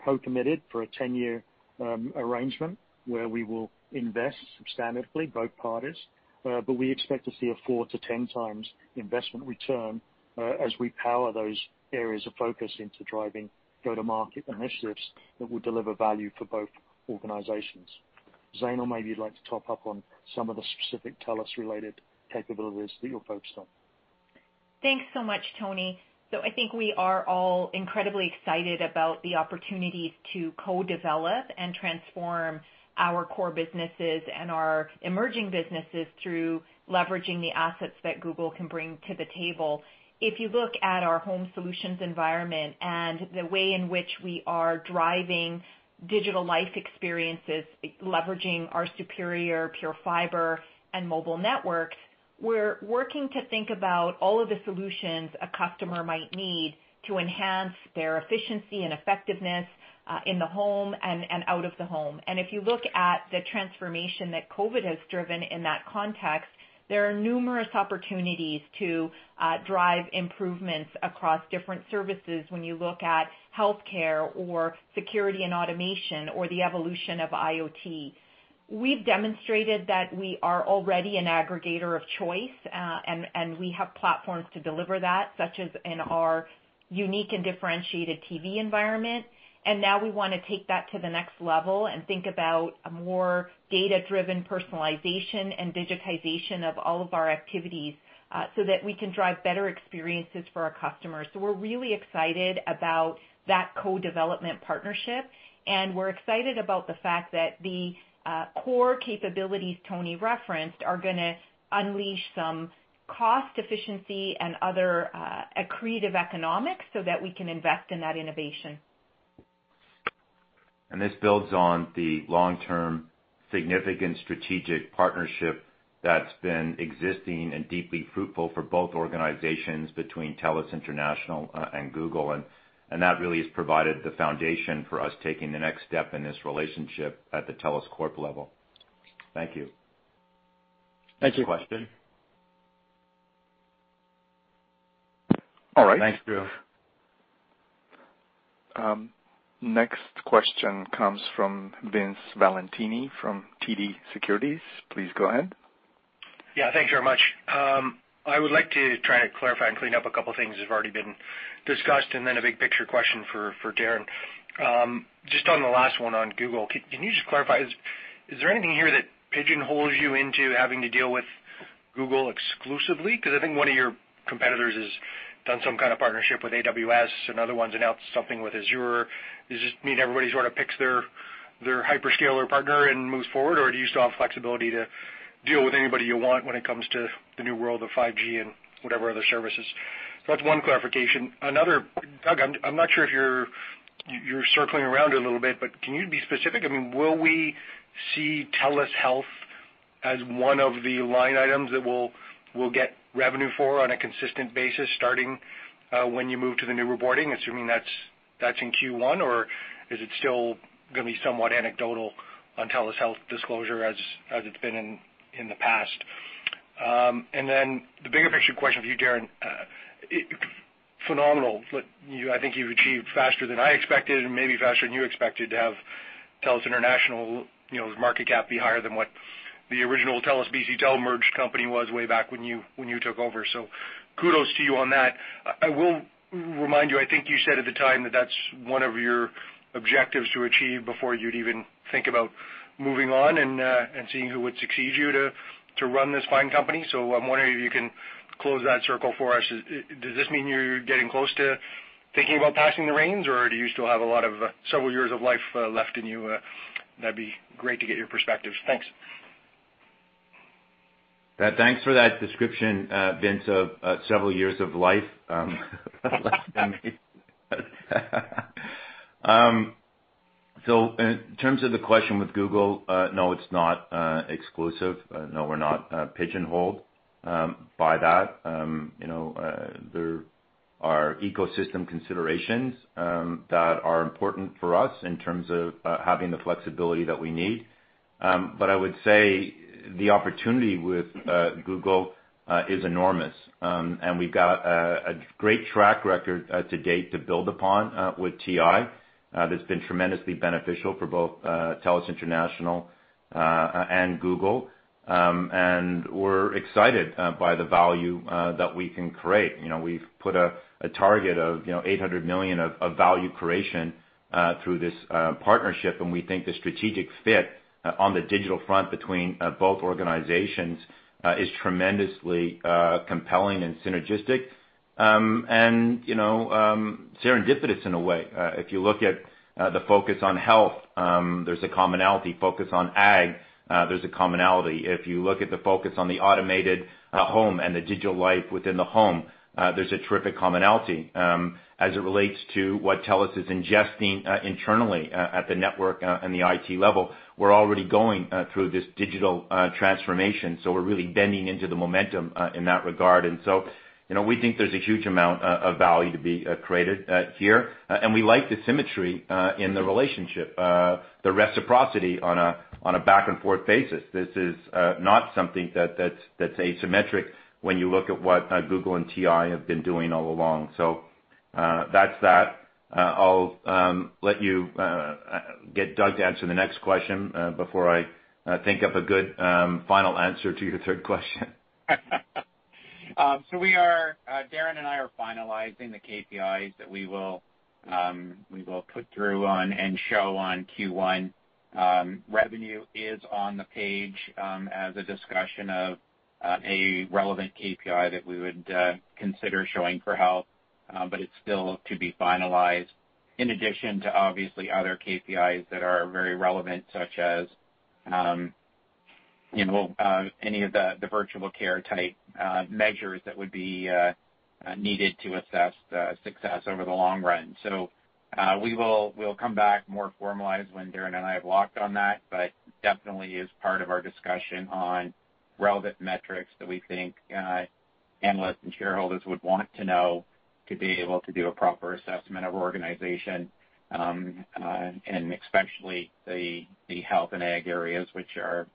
co-committed for a 10-year arrangement where we will invest substantively, both parties. We expect to see a 4x-10x investment return as we power those areas of focus into driving go-to-market initiatives that will deliver value for both organizations. Zainul, maybe you'd like to top up on some of the specific TELUS related capabilities that you're focused on. Thanks so much, Tony. I think we are all incredibly excited about the opportunities to co-develop and transform our core businesses and our emerging businesses through leveraging the assets that Google can bring to the table. If you look at our Home Solutions environment and the way in which we are driving digital life experiences, leveraging our superior PureFibre and mobile networks, we're working to think about all of the solutions a customer might need to enhance their efficiency and effectiveness in the home and out of the home. If you look at the transformation that COVID has driven in that context, there are numerous opportunities to drive improvements across different services when you look at healthcare or security and automation or the evolution of IoT. We've demonstrated that we are already an aggregator of choice, and we have platforms to deliver that, such as in our unique and differentiated TV environment. Now we want to take that to the next level and think about a more data-driven personalization and digitization of all of our activities so that we can drive better experiences for our customers. We're really excited about that co-development partnership, and we're excited about the fact that the core capabilities Tony referenced are going to unleash some cost efficiency and other accretive economics so that we can invest in that innovation. This builds on the long-term significant strategic partnership that's been existing and deeply fruitful for both organizations between TELUS International and Google. That really has provided the foundation for us taking the next step in this relationship at the TELUS Corp level. Thank you. Thank you. Next question. All right. Thanks, Drew. Next question comes from Vince Valentini from TD Securities. Please go ahead. Thanks very much. I would like to try to clarify and clean up a couple things that have already been discussed, and then a big picture question for Darren. Just on the last one on Google, can you just clarify, is there anything here that pigeonholes you into having to deal with Google exclusively? I think one of your competitors has done some kind of partnership with AWS and other ones announced something with Azure. Does this just mean everybody sort of picks their hyperscaler partner and moves forward? Do you still have flexibility to deal with anybody you want when it comes to the new world of 5G and whatever other services? That's one clarification. Another, Doug, I'm not sure if you're circling around it a little bit, can you be specific? Will we see TELUS Health as one of the line items that we'll get revenue for on a consistent basis starting when you move to the new reporting, assuming that's in Q1? Or is it still going to be somewhat anecdotal on TELUS Health disclosure as it's been in the past? The bigger picture question for you, Darren Entwistle. Phenomenal. I think you've achieved faster than I expected and maybe faster than you expected to have TELUS International's market cap be higher than what the original TELUS-BC Tel merged company was way back when you took over. Kudos to you on that. I will remind you, I think you said at the time that that's one of your objectives to achieve before you'd even think about moving on and seeing who would succeed you to run this fine company. I'm wondering if you can close that circle for us. Does this mean you're getting close to thinking about passing the reins, or do you still have a lot of several years of life left in you? That'd be great to get your perspective. Thanks. Thanks for that description, Vince, of several years of life. In terms of the question with Google, no, it's not exclusive. No, we're not pigeonholed by that. There are ecosystem considerations that are important for us in terms of having the flexibility that we need. I would say the opportunity with Google is enormous. We've got a great track record to date to build upon with TI that's been tremendously beneficial for both TELUS International and Google. We're excited by the value that we can create. We've put a target of 800 million of value creation through this partnership, and we think the strategic fit on the digital front between both organizations is tremendously compelling and synergistic. Serendipitous in a way. If you look at the focus on Health, there's a commonality. Focus on Ag, there's a commonality. If you look at the focus on the automated home and the digital life within the home, there's a terrific commonality as it relates to what TELUS is ingesting internally at the network and the IT level. We're already going through this digital transformation, so we're really bending into the momentum in that regard. We think there's a huge amount of value to be created here. We like the symmetry in the relationship, the reciprocity on a back-and-forth basis. This is not something that's asymmetric when you look at what Google and TI have been doing all along. That's that. I'll let you get Doug to answer the next question before I think of a good final answer to your third question. Darren and I are finalizing the KPIs that we will put through on and show on Q1. Revenue is on the page as a discussion of a relevant KPI that we would consider showing for Health, but it's still to be finalized. In addition to obviously other KPIs that are very relevant, such as any of the virtual care type measures that would be needed to assess the success over the long run. We'll come back more formalized when Darren and I have locked on that, but definitely is part of our discussion on relevant metrics that we think analysts and shareholders would want to know to be able to do a proper assessment of our organization, and especially the Health and Ag areas, which are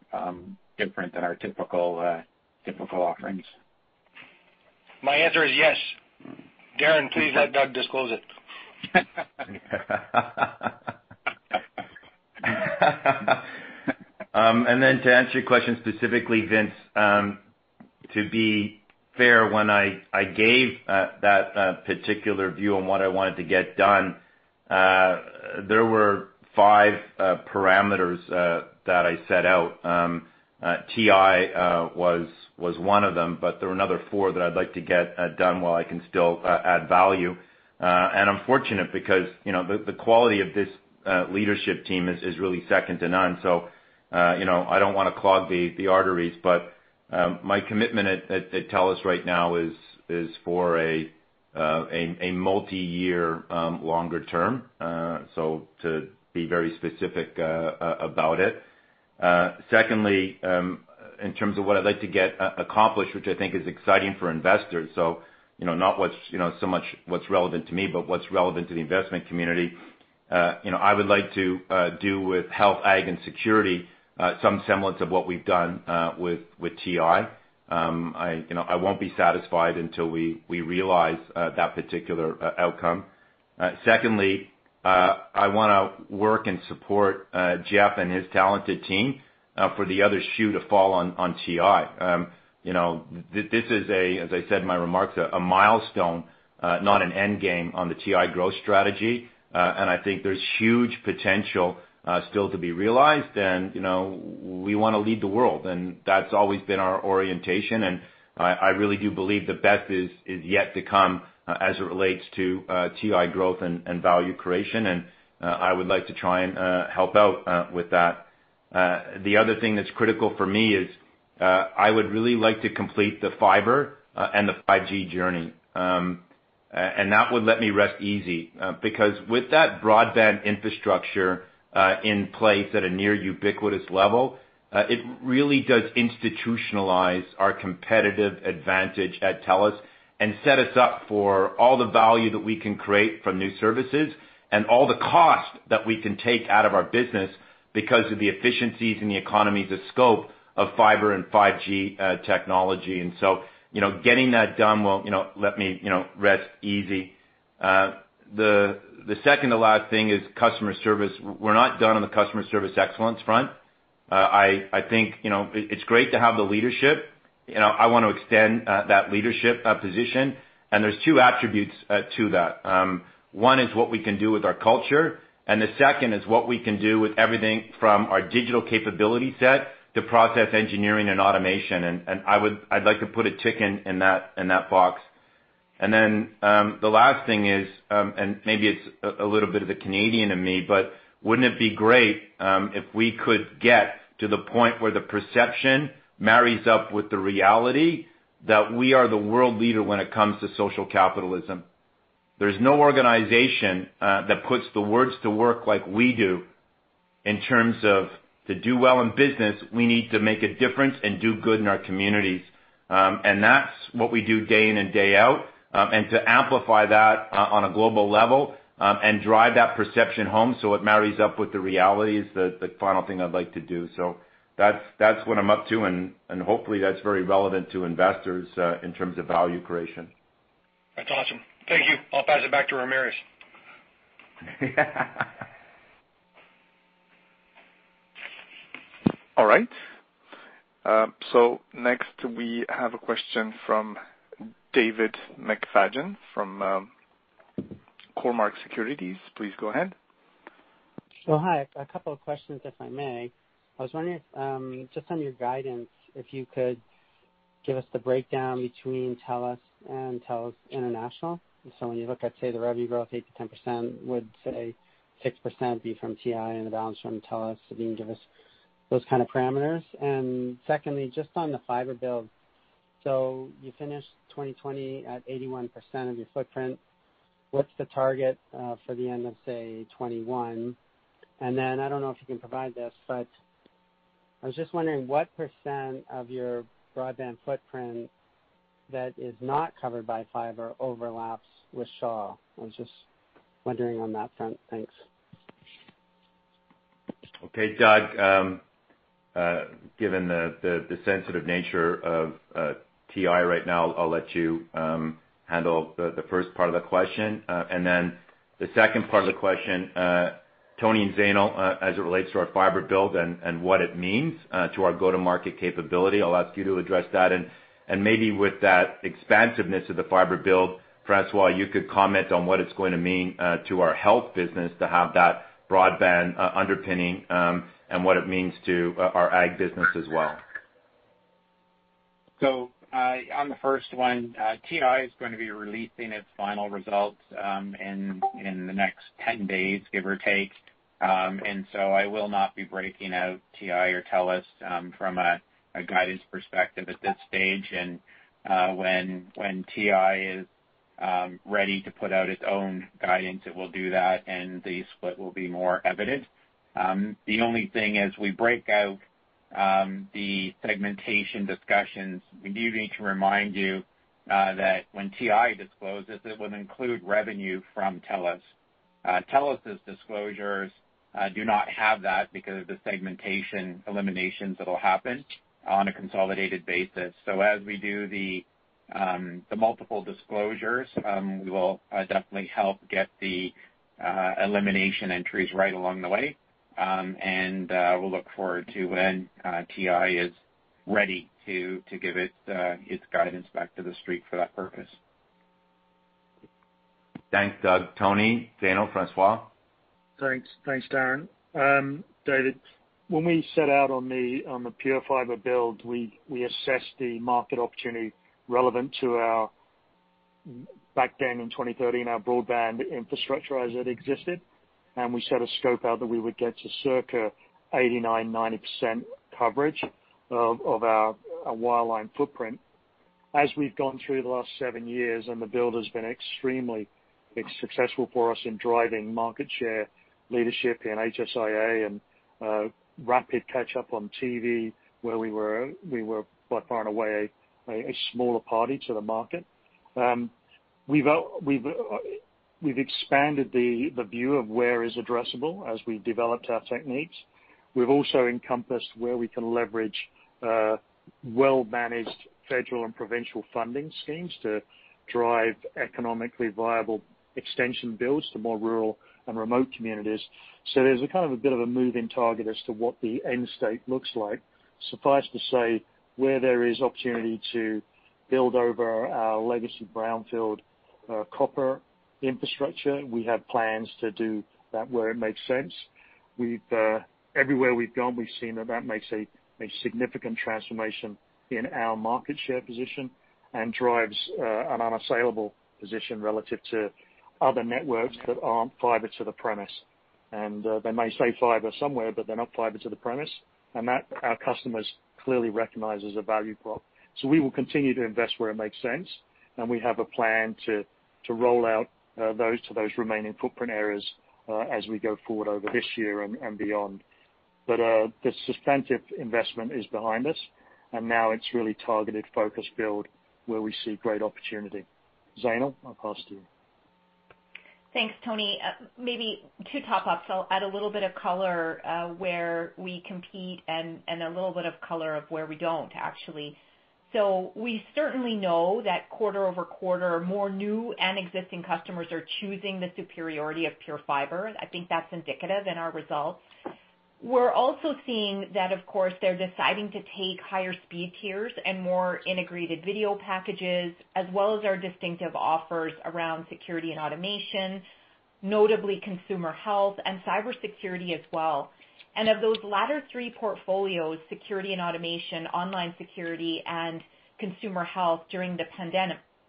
different than our typical offerings. My answer is yes. Darren, please let Doug disclose it. Then to answer your question specifically, Vince, to be fair, when I gave that particular view on what I wanted to get done, there were five parameters that I set out. TI was one of them, but there were another four that I'd like to get done while I can still add value. I'm fortunate because the quality of this leadership team is really second to none. I don't want to clog the arteries, but my commitment at TELUS right now is for a multi-year longer term, so to be very specific about it. Secondly, in terms of what I'd like to get accomplished, which I think is exciting for investors. Not so much what's relevant to me, but what's relevant to the investment community. I would like to do with Health, Ag, and Security some semblance of what we've done with TI. I won't be satisfied until we realize that particular outcome. I want to work and support Jeff and his talented team for the other shoe to fall on TI. This is a, as I said in my remarks, a milestone, not an end game on the TI growth strategy. I think there's huge potential still to be realized. We want to lead the world, and that's always been our orientation, and I really do believe the best is yet to come as it relates to TI growth and value creation. I would like to try and help out with that. The other thing that's critical for me is, I would really like to complete the fiber and the 5G journey. That would let me rest easy. With that broadband infrastructure in place at a near ubiquitous level, it really does institutionalize our competitive advantage at TELUS and set us up for all the value that we can create from new services and all the cost that we can take out of our business because of the efficiencies and the economies of scope of fiber and 5G technology. Getting that done will let me rest easy. The second to last thing is customer service. We're not done on the customer service excellence front. I think it's great to have the leadership. I want to extend that leadership position. There's two attributes to that. One is what we can do with our culture, and the second is what we can do with everything from our digital capability set to process engineering and automation. I'd like to put a tick in that box. Then the last thing is, maybe it's a little bit of the Canadian in me, but wouldn't it be great if we could get to the point where the perception marries up with the reality that we are the world leader when it comes to social capitalism? There's no organization that puts the words to work like we do in terms of to do well in business, we need to make a difference and do good in our communities. That's what we do day in and day out. To amplify that on a global level, and drive that perception home so it marries up with the reality, is the final thing I'd like to do. That's what I'm up to, and hopefully that's very relevant to investors, in terms of value creation. That's awesome. Thank you. I'll pass it back to Robert. All right. Next we have a question from David McFadgen from Cormark Securities. Please go ahead. Hi, a couple of questions, if I may. I was wondering if, just on your guidance, if you could give us the breakdown between TELUS and TELUS International. When you look at, say, the revenue growth, 8%-10%, would, say, 6% be from TI and the balance from TELUS? If you can give us those kind of parameters. Secondly, just on the fiber build. You finished 2020 at 81% of your footprint. What's the target for the end of, say, 2021? Then, I don't know if you can provide this, but I was just wondering what % of your broadband footprint that is not covered by fiber overlaps with Shaw? I was just wondering on that front. Thanks. Okay, Doug. Given the sensitive nature of TI right now, I'll let you handle the first part of the question. Then the second part of the question, Tony and Zainul, as it relates to our fiber build and what it means to our go-to-market capability, I'll ask you to address that. Maybe with that expansiveness of the fiber build, François, you could comment on what it's going to mean to our health business to have that broadband underpinning, and what it means to our ag business as well. On the first one, TI is going to be releasing its final results in the next 10 days, give or take. I will not be breaking out TI or TELUS from a guidance perspective at this stage. When TI is ready to put out its own guidance, it will do that, and the split will be more evident. The only thing as we break out the segmentation discussions, we do need to remind you that when TI discloses, it will include revenue from TELUS. TELUS' disclosures do not have that because of the segmentation eliminations that'll happen on a consolidated basis. As we do the multiple disclosures, we will definitely help get the elimination entries right along the way. We'll look forward to when TI is ready to give its guidance back to the street for that purpose. Thanks, Doug. Tony, Zainul, François? Thanks. Thanks, Darren. David, when we set out on the TELUS PureFibre build, we assessed the market opportunity relevant to our, back then in 2013, our broadband infrastructure as it existed, and we set a scope out that we would get to circa 89%-90% coverage of our wireline footprint. As we've gone through the last seven years and the build has been extremely successful for us in driving market share leadership in HSIA and rapid catch-up on TV, where we were by far and away a smaller party to the market. We've expanded the view of where is addressable as we've developed our techniques. We've also encompassed where we can leverage well-managed federal and provincial funding schemes to drive economically viable extension builds to more rural and remote communities. There's a kind of a bit of a moving target as to what the end state looks like. Suffice to say, where there is opportunity to build over our legacy brownfield copper infrastructure, we have plans to do that where it makes sense. Everywhere we've gone, we've seen that that makes a significant transformation in our market share position and drives an unassailable position relative to other networks that aren't fiber to the premise. They may say fiber somewhere, but they're not fiber to the premise. That, our customers clearly recognize as a value prop. We will continue to invest where it makes sense, and we have a plan to roll out those to those remaining footprint areas as we go forward over this year and beyond. The substantive investment is behind us, and now it's really targeted focus build where we see great opportunity. Zainul, I'll pass to you. Thanks, Tony. Maybe to top up, I'll add a little bit of color, where we compete and a little bit of color of where we don't, actually. We certainly know that quarter-over-quarter, more new and existing customers are choosing the superiority of PureFibre. I think that's indicative in our results. We're also seeing that, of course, they're deciding to take higher speed tiers and more integrated video packages, as well as our distinctive offers around security and automation. Notably consumer health and cybersecurity as well. Of those latter three portfolios, security and automation, online security, and consumer health during the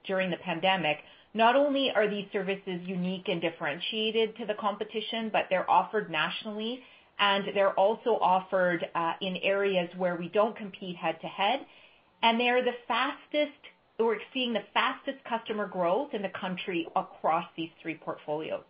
pandemic, not only are these services unique and differentiated to the competition, but they're offered nationally, and they're also offered in areas where we don't compete head-to-head. We're seeing the fastest customer growth in the country across these three portfolios.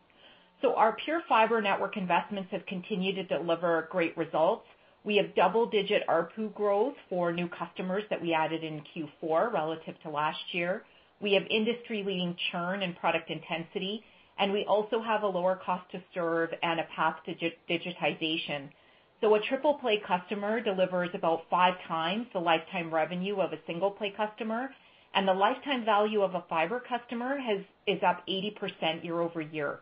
Our TELUS PureFibre network investments have continued to deliver great results. We have double-digit ARPU growth for new customers that we added in Q4 relative to last year. We have industry-leading churn and product intensity, and we also have a lower cost to serve and a path to digitization. A triple-play customer delivers about 5x the lifetime revenue of a single-play customer, and the lifetime value of a fiber customer is up 80% year-over-year.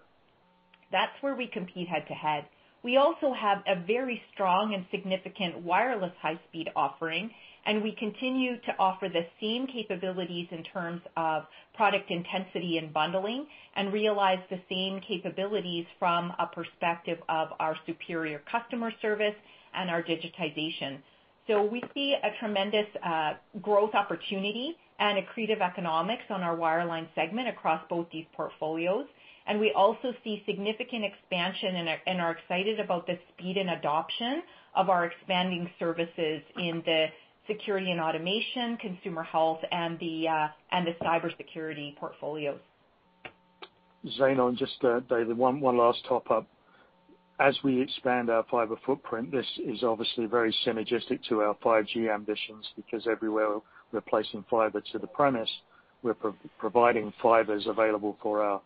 That's where we compete head-to-head. We also have a very strong and significant wireless high-speed offering, and we continue to offer the same capabilities in terms of product intensity and bundling, and realize the same capabilities from a perspective of our superior customer service and our digitization. We see a tremendous growth opportunity and accretive economics on our wireline segment across both these portfolios. We also see significant expansion and are excited about the speed and adoption of our expanding services in the security and automation, consumer health, and the cybersecurity portfolios. Zainul, just one last top-up. As we expand our fiber footprint, this is obviously very synergistic to our 5G ambitions because everywhere we're placing fiber to the premise, we're providing fibers available for our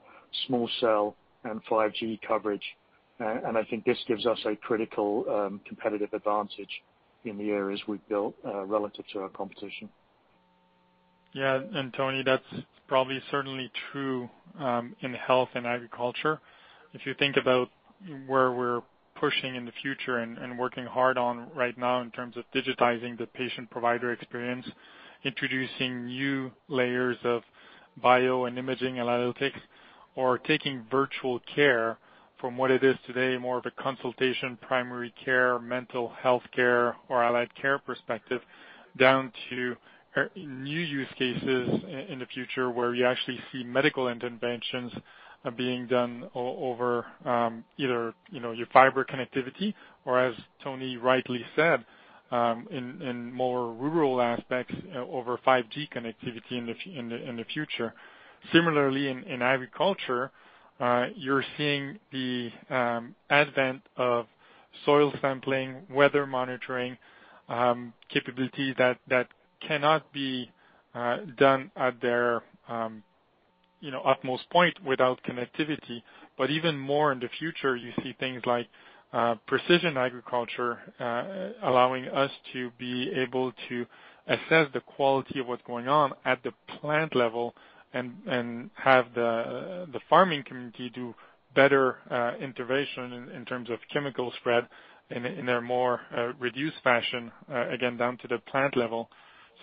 small cell and 5G coverage. I think this gives us a critical competitive advantage in the areas we've built relative to our competition. Yeah, Tony, that's probably certainly true in TELUS Health and TELUS Agriculture. If you think about where we're pushing in the future and working hard on right now in terms of digitizing the patient-provider experience, introducing new layers of bio and imaging analytics or taking virtual care from what it is today, more of a consultation, primary care, mental health care, or allied care perspective, down to new use cases in the future where you actually see medical interventions being done over either your fiber connectivity or, as Tony rightly said, in more rural aspects, over 5G connectivity in the future. Similarly, in TELUS Agriculture, you're seeing the advent of soil sampling, weather monitoring, capabilities that cannot be done at their utmost point without connectivity. Even more in the future, you see things like precision agriculture, allowing us to be able to assess the quality of what's going on at the plant level and have the farming community do better intervention in terms of chemical spread in a more reduced fashion, again, down to the plant level.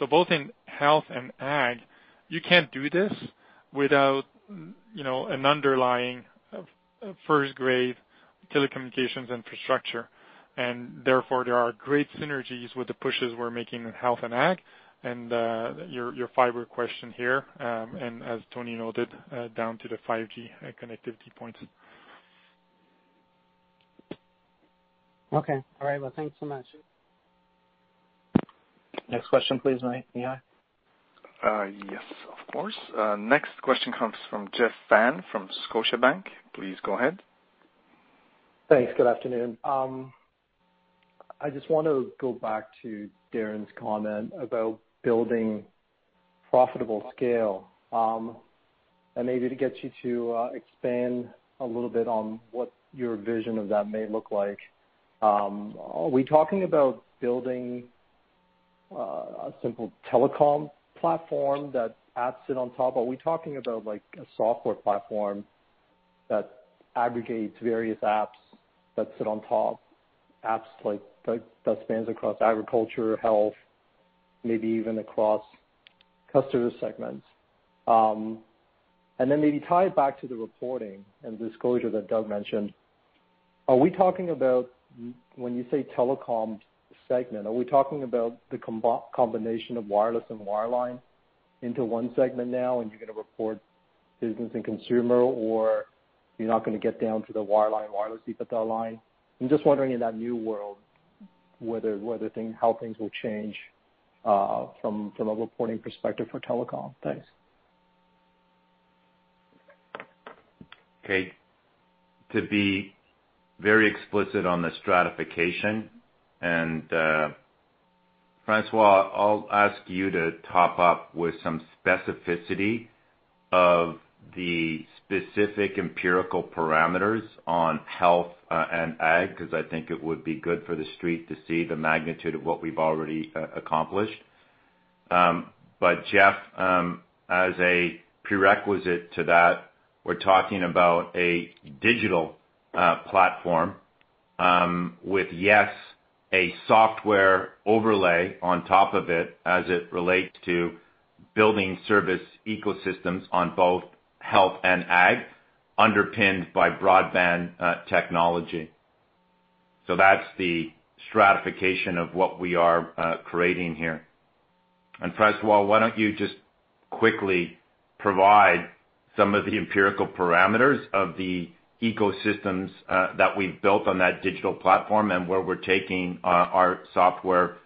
Both in Health and Ag, you can't do this without an underlying first-grade telecommunications infrastructure. Therefore, there are great synergies with the pushes we're making in Health and Ag and your fiber question here, and as Tony noted, down to the 5G connectivity points. Okay. All right. Well, thanks so much. Next question please, Mihai. Yes, of course. Next question comes from Jeff Fan from Scotiabank. Please go ahead. Thanks. Good afternoon. I just want to go back to Darren's comment about building profitable scale, and maybe to get you to expand a little bit on what your vision of that may look like. Are we talking about building a simple telecom platform that apps sit on top? Are we talking about a software platform that aggregates various apps that sit on top, apps that span across Agriculture, Health, maybe even across customer segments? Maybe tie it back to the reporting and disclosure that Doug mentioned. Are we talking about, when you say telecom segment, are we talking about the combination of wireless and wireline into one segment now, and you're going to report business and consumer, or you're not going to get down to the wireline wireless EBITDA line? I'm just wondering in that new world how things will change from a reporting perspective for telecom. Thanks. Okay. To be very explicit on the stratification. François, I'll ask you to top up with some specificity of the specific empirical parameters on Health and Ag, because I think it would be good for the street to see the magnitude of what we've already accomplished. Jeff, as a prerequisite to that, we're talking about a digital platform with, yes, a software overlay on top of it as it relates to building service ecosystems on both Health and Ag, underpinned by broadband technology. That's the stratification of what we are creating here. François, why don't you just quickly provide some of the empirical parameters of the ecosystems that we've built on that digital platform and where we're taking our software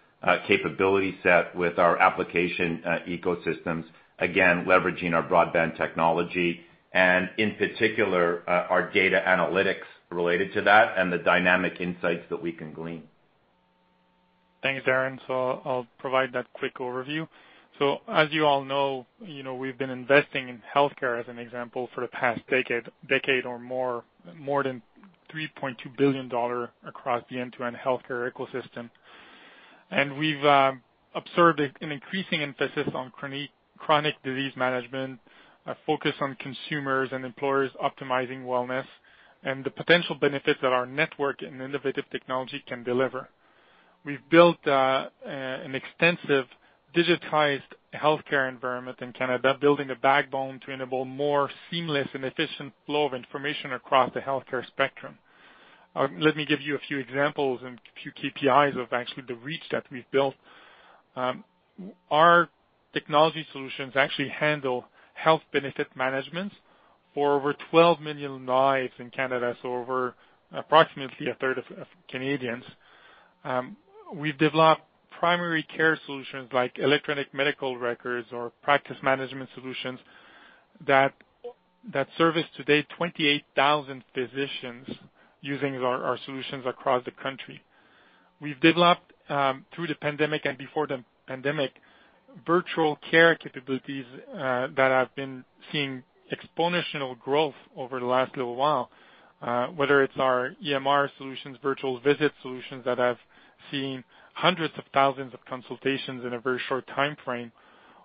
capability set with our application ecosystems, again, leveraging our broadband technology and in particular, our data analytics related to that and the dynamic insights that we can glean. Thanks, Darren. I'll provide that quick overview. As you all know, we've been investing in healthcare as an example, for the past decade or more, more than 3.2 billion dollar across the end-to-end healthcare ecosystem. We've observed an increasing emphasis on chronic disease management, a focus on consumers and employers optimizing wellness, and the potential benefits that our network and innovative technology can deliver. We've built an extensive digitized healthcare environment in Canada, building a backbone to enable more seamless and efficient flow of information across the healthcare spectrum. Let me give you a few examples and a few KPIs of actually the reach that we've built. Our technology solutions actually handle health benefit management for over 12 million lives in Canada, so over approximately 1/3 of Canadians. We've developed primary care solutions like electronic medical records or practice management solutions that service today 28,000 physicians using our solutions across the country. We've developed, through the pandemic and before the pandemic, virtual care capabilities that have been seeing exponential growth over the last little while, whether it's our EMR solutions, virtual visit solutions that have seen hundreds of thousands of consultations in a very short timeframe,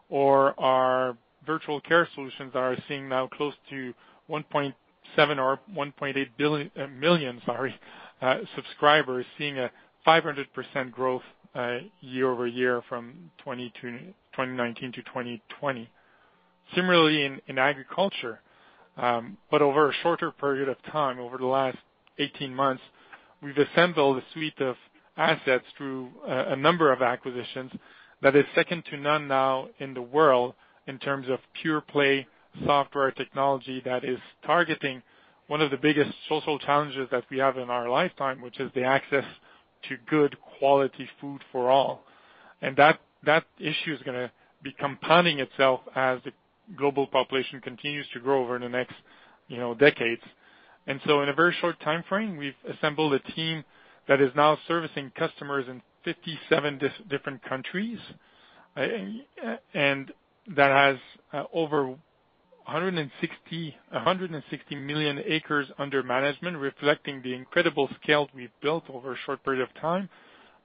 or our virtual care solutions that are seeing now close to 1.7 billion or 1.8 billion-- million, sorry, subscribers, seeing a 500% growth year-over-year from 2019 to 2020. Similarly, in TELUS Agriculture, but over a shorter period of time, over the last 18 months, we've assembled a suite of assets through a number of acquisitions that is second to none now in the world in terms of pure-play software technology that is targeting one of the biggest social challenges that we have in our lifetime, which is the access to good quality food for all. That issue is going to be compounding itself as the global population continues to grow over the next decades. In a very short timeframe, we've assembled a team that is now servicing customers in 57 different countries, and that has over 160 million acres under management, reflecting the incredible scale we've built over a short period of time,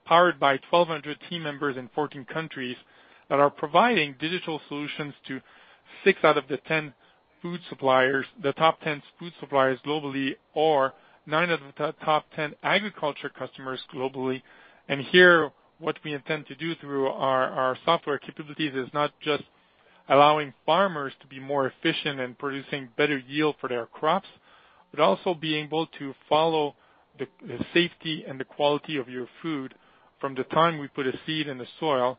powered by 1,200 team members in 14 countries that are providing digital solutions to six out of the 10 food suppliers, the top 10 food suppliers globally, or nine of the top 10 agriculture customers globally. Here, what we intend to do through our software capabilities is not just allowing farmers to be more efficient and producing better yield for their crops, but also being able to follow the safety and the quality of your food from the time we put a seed in the soil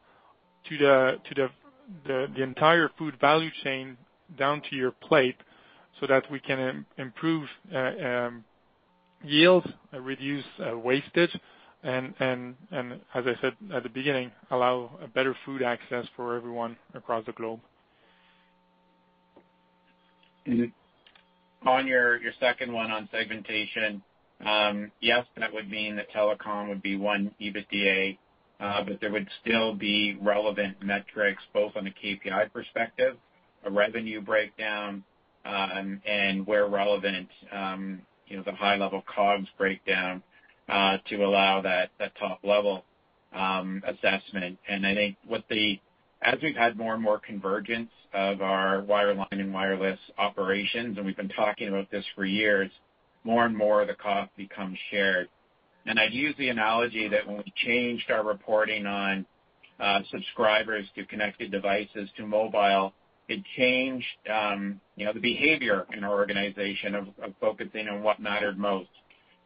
to the entire food value chain down to your plate, so that we can improve yield, reduce wastage, and, as I said at the beginning, allow better food access for everyone across the globe. On your second one on segmentation, yes, that would mean that telecom would be one EBITDA, but there would still be relevant metrics, both on the KPI perspective, a revenue breakdown, and where relevant, the high level COGS breakdown, to allow that top level assessment. I think as we've had more and more convergence of our wireline and wireless operations, and we've been talking about this for years, more and more of the cost becomes shared. I'd use the analogy that when we changed our reporting on subscribers to connected devices to mobile, it changed the behavior in our organization of focusing on what mattered most.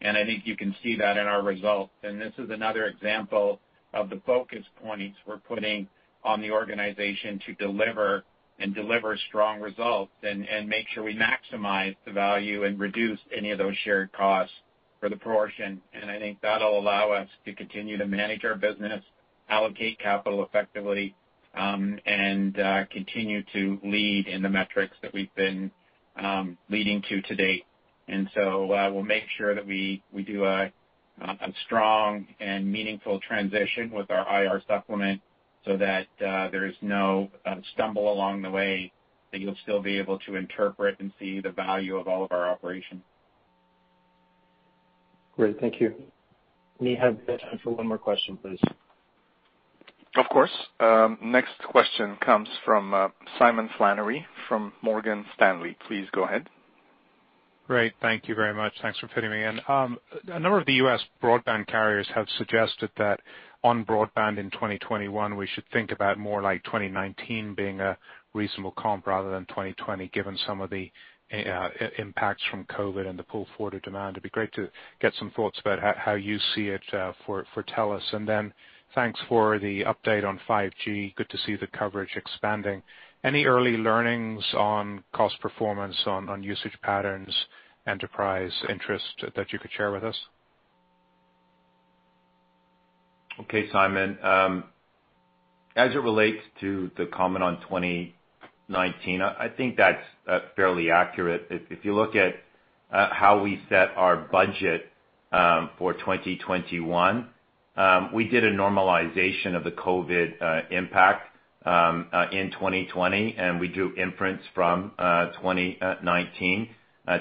I think you can see that in our results. This is another example of the focus points we're putting on the organization to deliver, and deliver strong results and make sure we maximize the value and reduce any of those shared costs for the proportion. I think that'll allow us to continue to manage our business, allocate capital effectively, and continue to lead in the metrics that we've been leading to date. We'll make sure that we do a strong and meaningful transition with our IR supplement so that there's no stumble along the way, that you'll still be able to interpret and see the value of all of our operations. Great. Thank you. We have time for one more question, please. Of course. Next question comes from Simon Flannery from Morgan Stanley. Please go ahead. Great. Thank you very much. Thanks for fitting me in. A number of the U.S. broadband carriers have suggested that on broadband in 2021, we should think about more like 2019 being a reasonable comp rather than 2020, given some of the impacts from COVID and the pull forward of demand. Thanks for the update on 5G. Good to see the coverage expanding. Any early learnings on cost performance, on usage patterns, enterprise interest that you could share with us? Okay, Simon. As it relates to the comment on 2019, I think that's fairly accurate. If you look at how we set our budget, for 2021, we did a normalization of the COVID impact in 2020. We do imprints from 2019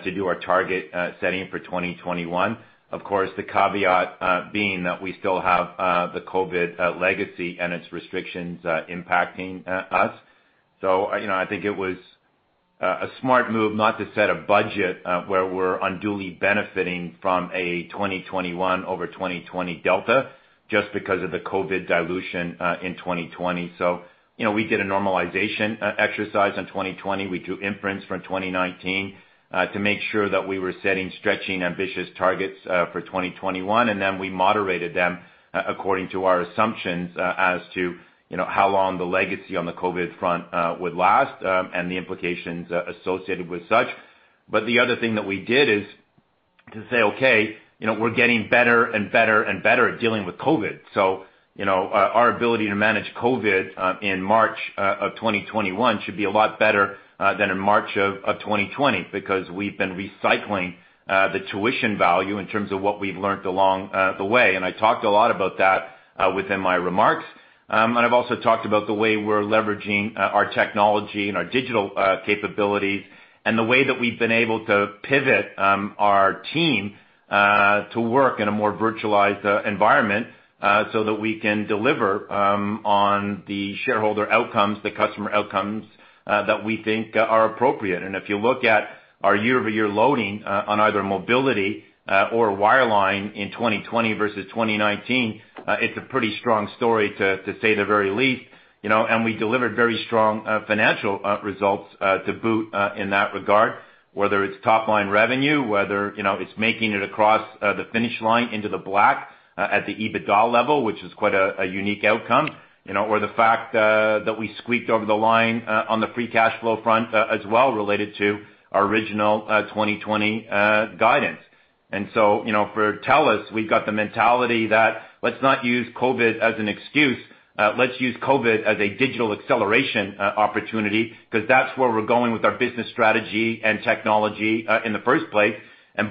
to do our target setting for 2021. Of course, the caveat being that we still have the COVID legacy and its restrictions impacting us. I think it was a smart move not to set a budget, where we're unduly benefiting from a 2021 over 2020 delta just because of the COVID dilution in 2020. We did a normalization exercise on 2020. We do imprints from 2019 to make sure that we were setting stretching ambitious targets for 2021. We moderated them according to our assumptions as to how long the legacy on the COVID front would last, and the implications associated with such. The other thing that we did is to say, "Okay, we're getting better and better at dealing with COVID." Our ability to manage COVID in March of 2021 should be a lot better than in March of 2020 because we've been recycling the tuition value in terms of what we've learnt along the way. I talked a lot about that within my remarks. I've also talked about the way we're leveraging our technology and our digital capabilities and the way that we've been able to pivot our team to work in a more virtualized environment, so that we can deliver on the shareholder outcomes, the customer outcomes, that we think are appropriate. If you look at our year-over-year loading on either mobility or wireline in 2020 versus 2019, it's a pretty strong story to say the very least. We delivered very strong financial results to boot, in that regard, whether it's top-line revenue, whether it's making it across the finish line into the black at the EBITDA level, which is quite a unique outcome, or the fact that we squeaked over the line on the free cash flow front as well related to our original 2020 guidance. For TELUS, we've got the mentality that let's not use COVID as an excuse. Let's use COVID as a digital acceleration opportunity because that's where we're going with our business strategy and technology in the first place.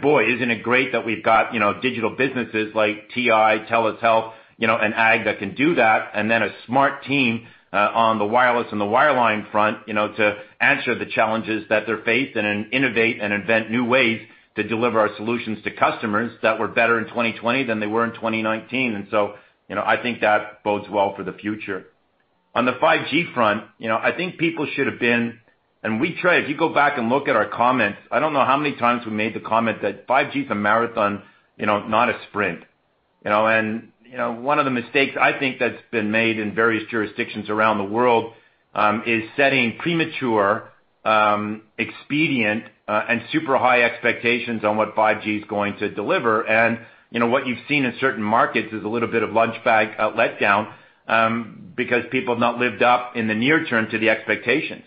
Boy, isn't it great that we've got digital businesses like TI, TELUS Health, and Ag that can do that, and then a smart team on the wireless and the wireline front to answer the challenges that they're faced and innovate and invent new ways to deliver our solutions to customers that were better in 2020 than they were in 2019. I think that bodes well for the future. On the 5G front, I think people should have been and if you go back and look at our comments, I don't know how many times we made the comment that 5G is a marathon, not a sprint. One of the mistakes I think that's been made in various jurisdictions around the world, is setting premature, expedient, and super high expectations on what 5G is going to deliver. What you've seen in certain markets is a little bit of lunch bag let down, because people have not lived up in the near term to the expectations.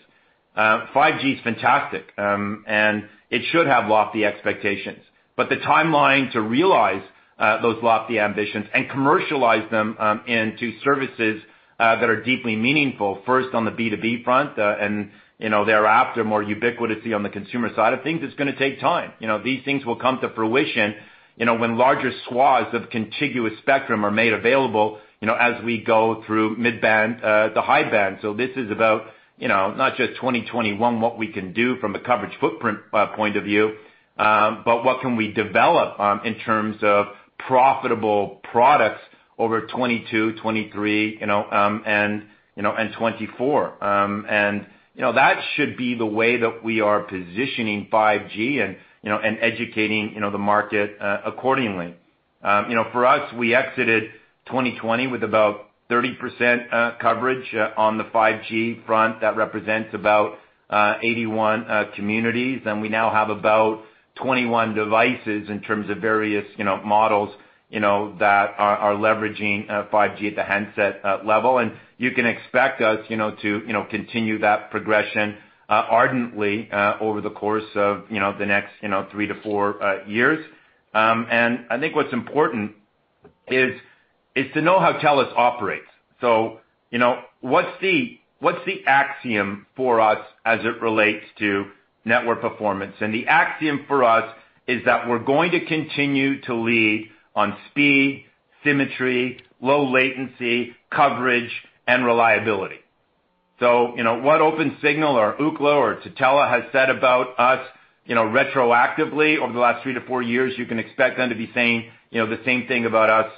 5G is fantastic, it should have lofty expectations. The timeline to realize those lofty ambitions and commercialize them into services that are deeply meaningful, first on the B2B front, thereafter, more ubiquity on the consumer side of things, it's going to take time. These things will come to fruition when larger swaths of contiguous spectrum are made available as we go through mid-band, the high-band. This is about not just 2021, what we can do from a coverage footprint point of view, but what can we develop in terms of profitable products over 2022, 2023, and 2024? That should be the way that we are positioning 5G and educating the market accordingly. For us, we exited 2020 with about 30% coverage on the 5G front. That represents about 81 communities. We now have about 21 devices in terms of various models that are leveraging 5G at the handset level. You can expect us to continue that progression ardently over the course of the next three to four years. I think what's important is to know how TELUS operates. What's the axiom for us as it relates to network performance? The axiom for us is that we're going to continue to lead on speed, symmetry, low latency, coverage, and reliability. What Opensignal or Ookla or Tutela has said about us retroactively over the last three to four years, you can expect them to be saying the same thing about us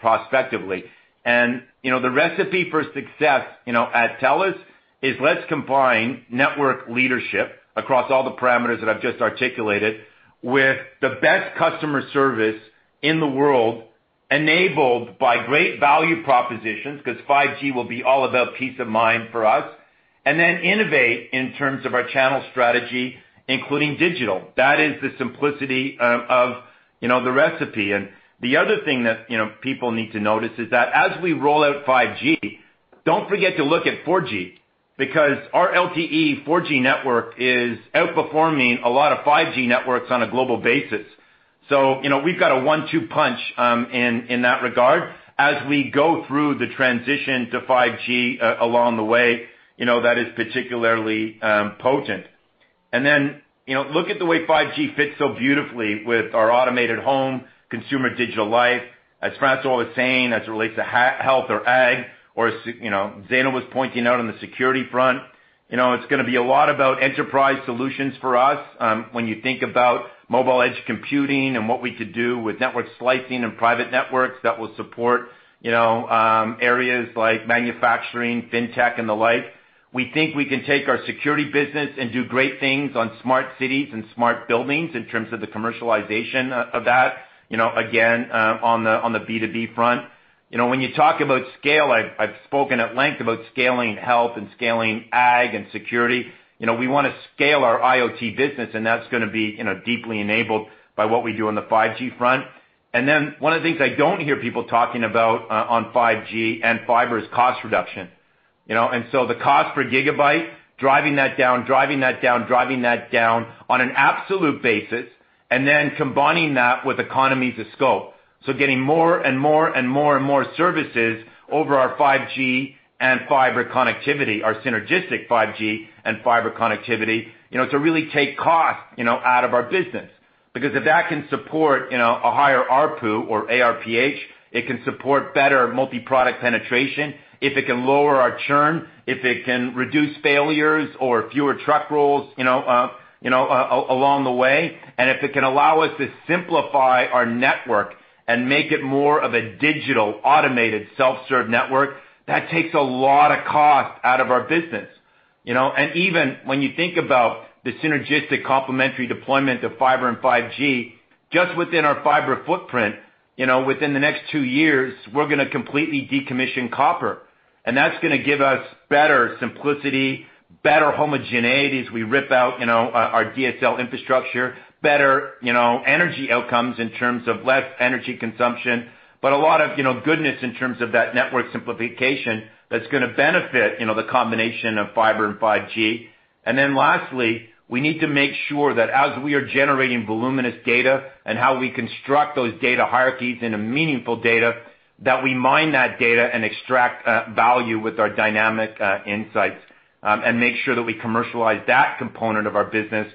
prospectively. The recipe for success at TELUS is let's combine network leadership across all the parameters that I've just articulated with the best customer service in the world, enabled by great value propositions, because 5G will be all about peace of mind for us, and then innovate in terms of our channel strategy, including digital. That is the simplicity of the recipe. The other thing that people need to notice is that as we roll out 5G, don't forget to look at 4G, because our LTE 4G network is outperforming a lot of 5G networks on a global basis. We've got a one-two punch in that regard as we go through the transition to 5G along the way. That is particularly potent. Then look at the way 5G fits so beautifully with our automated home consumer digital life, as François was saying, as it relates to Health or Ag or Zainul was pointing out on the Security front. It's going to be a lot about enterprise solutions for us. When you think about mobile edge computing and what we could do with network slicing and private networks that will support areas like manufacturing, fintech, and the like. We think we can take our Security business and do great things on smart cities and smart buildings in terms of the commercialization of that. Again, on the B2B front. When you talk about scale, I've spoken at length about scaling Health and scaling Ag and Security. We want to scale our IoT business, and that's going to be deeply enabled by what we do on the 5G front. One of the things I don't hear people talking about on 5G and fiber is cost reduction. The cost per gigabyte, driving that down on an absolute basis, and then combining that with economies of scope. Getting more and more services over our 5G and fiber connectivity, our synergistic 5G and fiber connectivity to really take cost out of our business. Because if that can support a higher ARPU or ARPH, it can support better multi-product penetration. If it can lower our churn, if it can reduce failures or fewer truck rolls along the way, and if it can allow us to simplify our network and make it more of a digital, automated, self-serve network, that takes a lot of cost out of our business. Even when you think about the synergistic complementary deployment of fiber and 5G, just within our fiber footprint within the next two years, we're going to completely decommission copper. That's going to give us better simplicity, better homogeneity as we rip out our DSL infrastructure, better energy outcomes in terms of less energy consumption. A lot of goodness in terms of that network simplification that's going to benefit the combination of fiber and 5G. Lastly, we need to make sure that as we are generating voluminous data and how we construct those data hierarchies into meaningful data, that we mine that data and extract value with our dynamic insights. Make sure that we commercialize that component of our business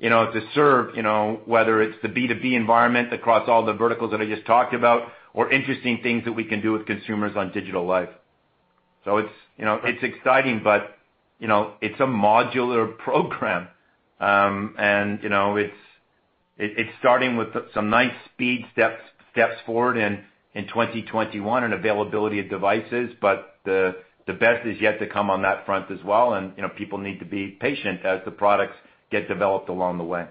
to serve, whether it's the B2B environment across all the verticals that I just talked about or interesting things that we can do with consumers on digital life. It's exciting, but it's a modular program. It's starting with some nice speed steps forward in 2021 and availability of devices, but the best is yet to come on that front as well, and people need to be patient as the products get developed along the way.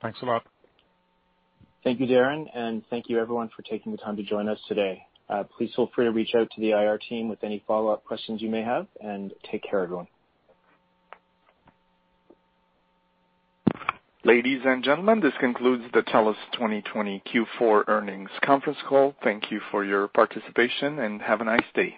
Thanks a lot. Thank you, Darren, and thank you, everyone, for taking the time to join us today. Please feel free to reach out to the IR team with any follow-up questions you may have, and take care, everyone. Ladies and gentlemen, this concludes the TELUS 2020 Q4 earnings conference call. Thank you for your participation, and have a nice day.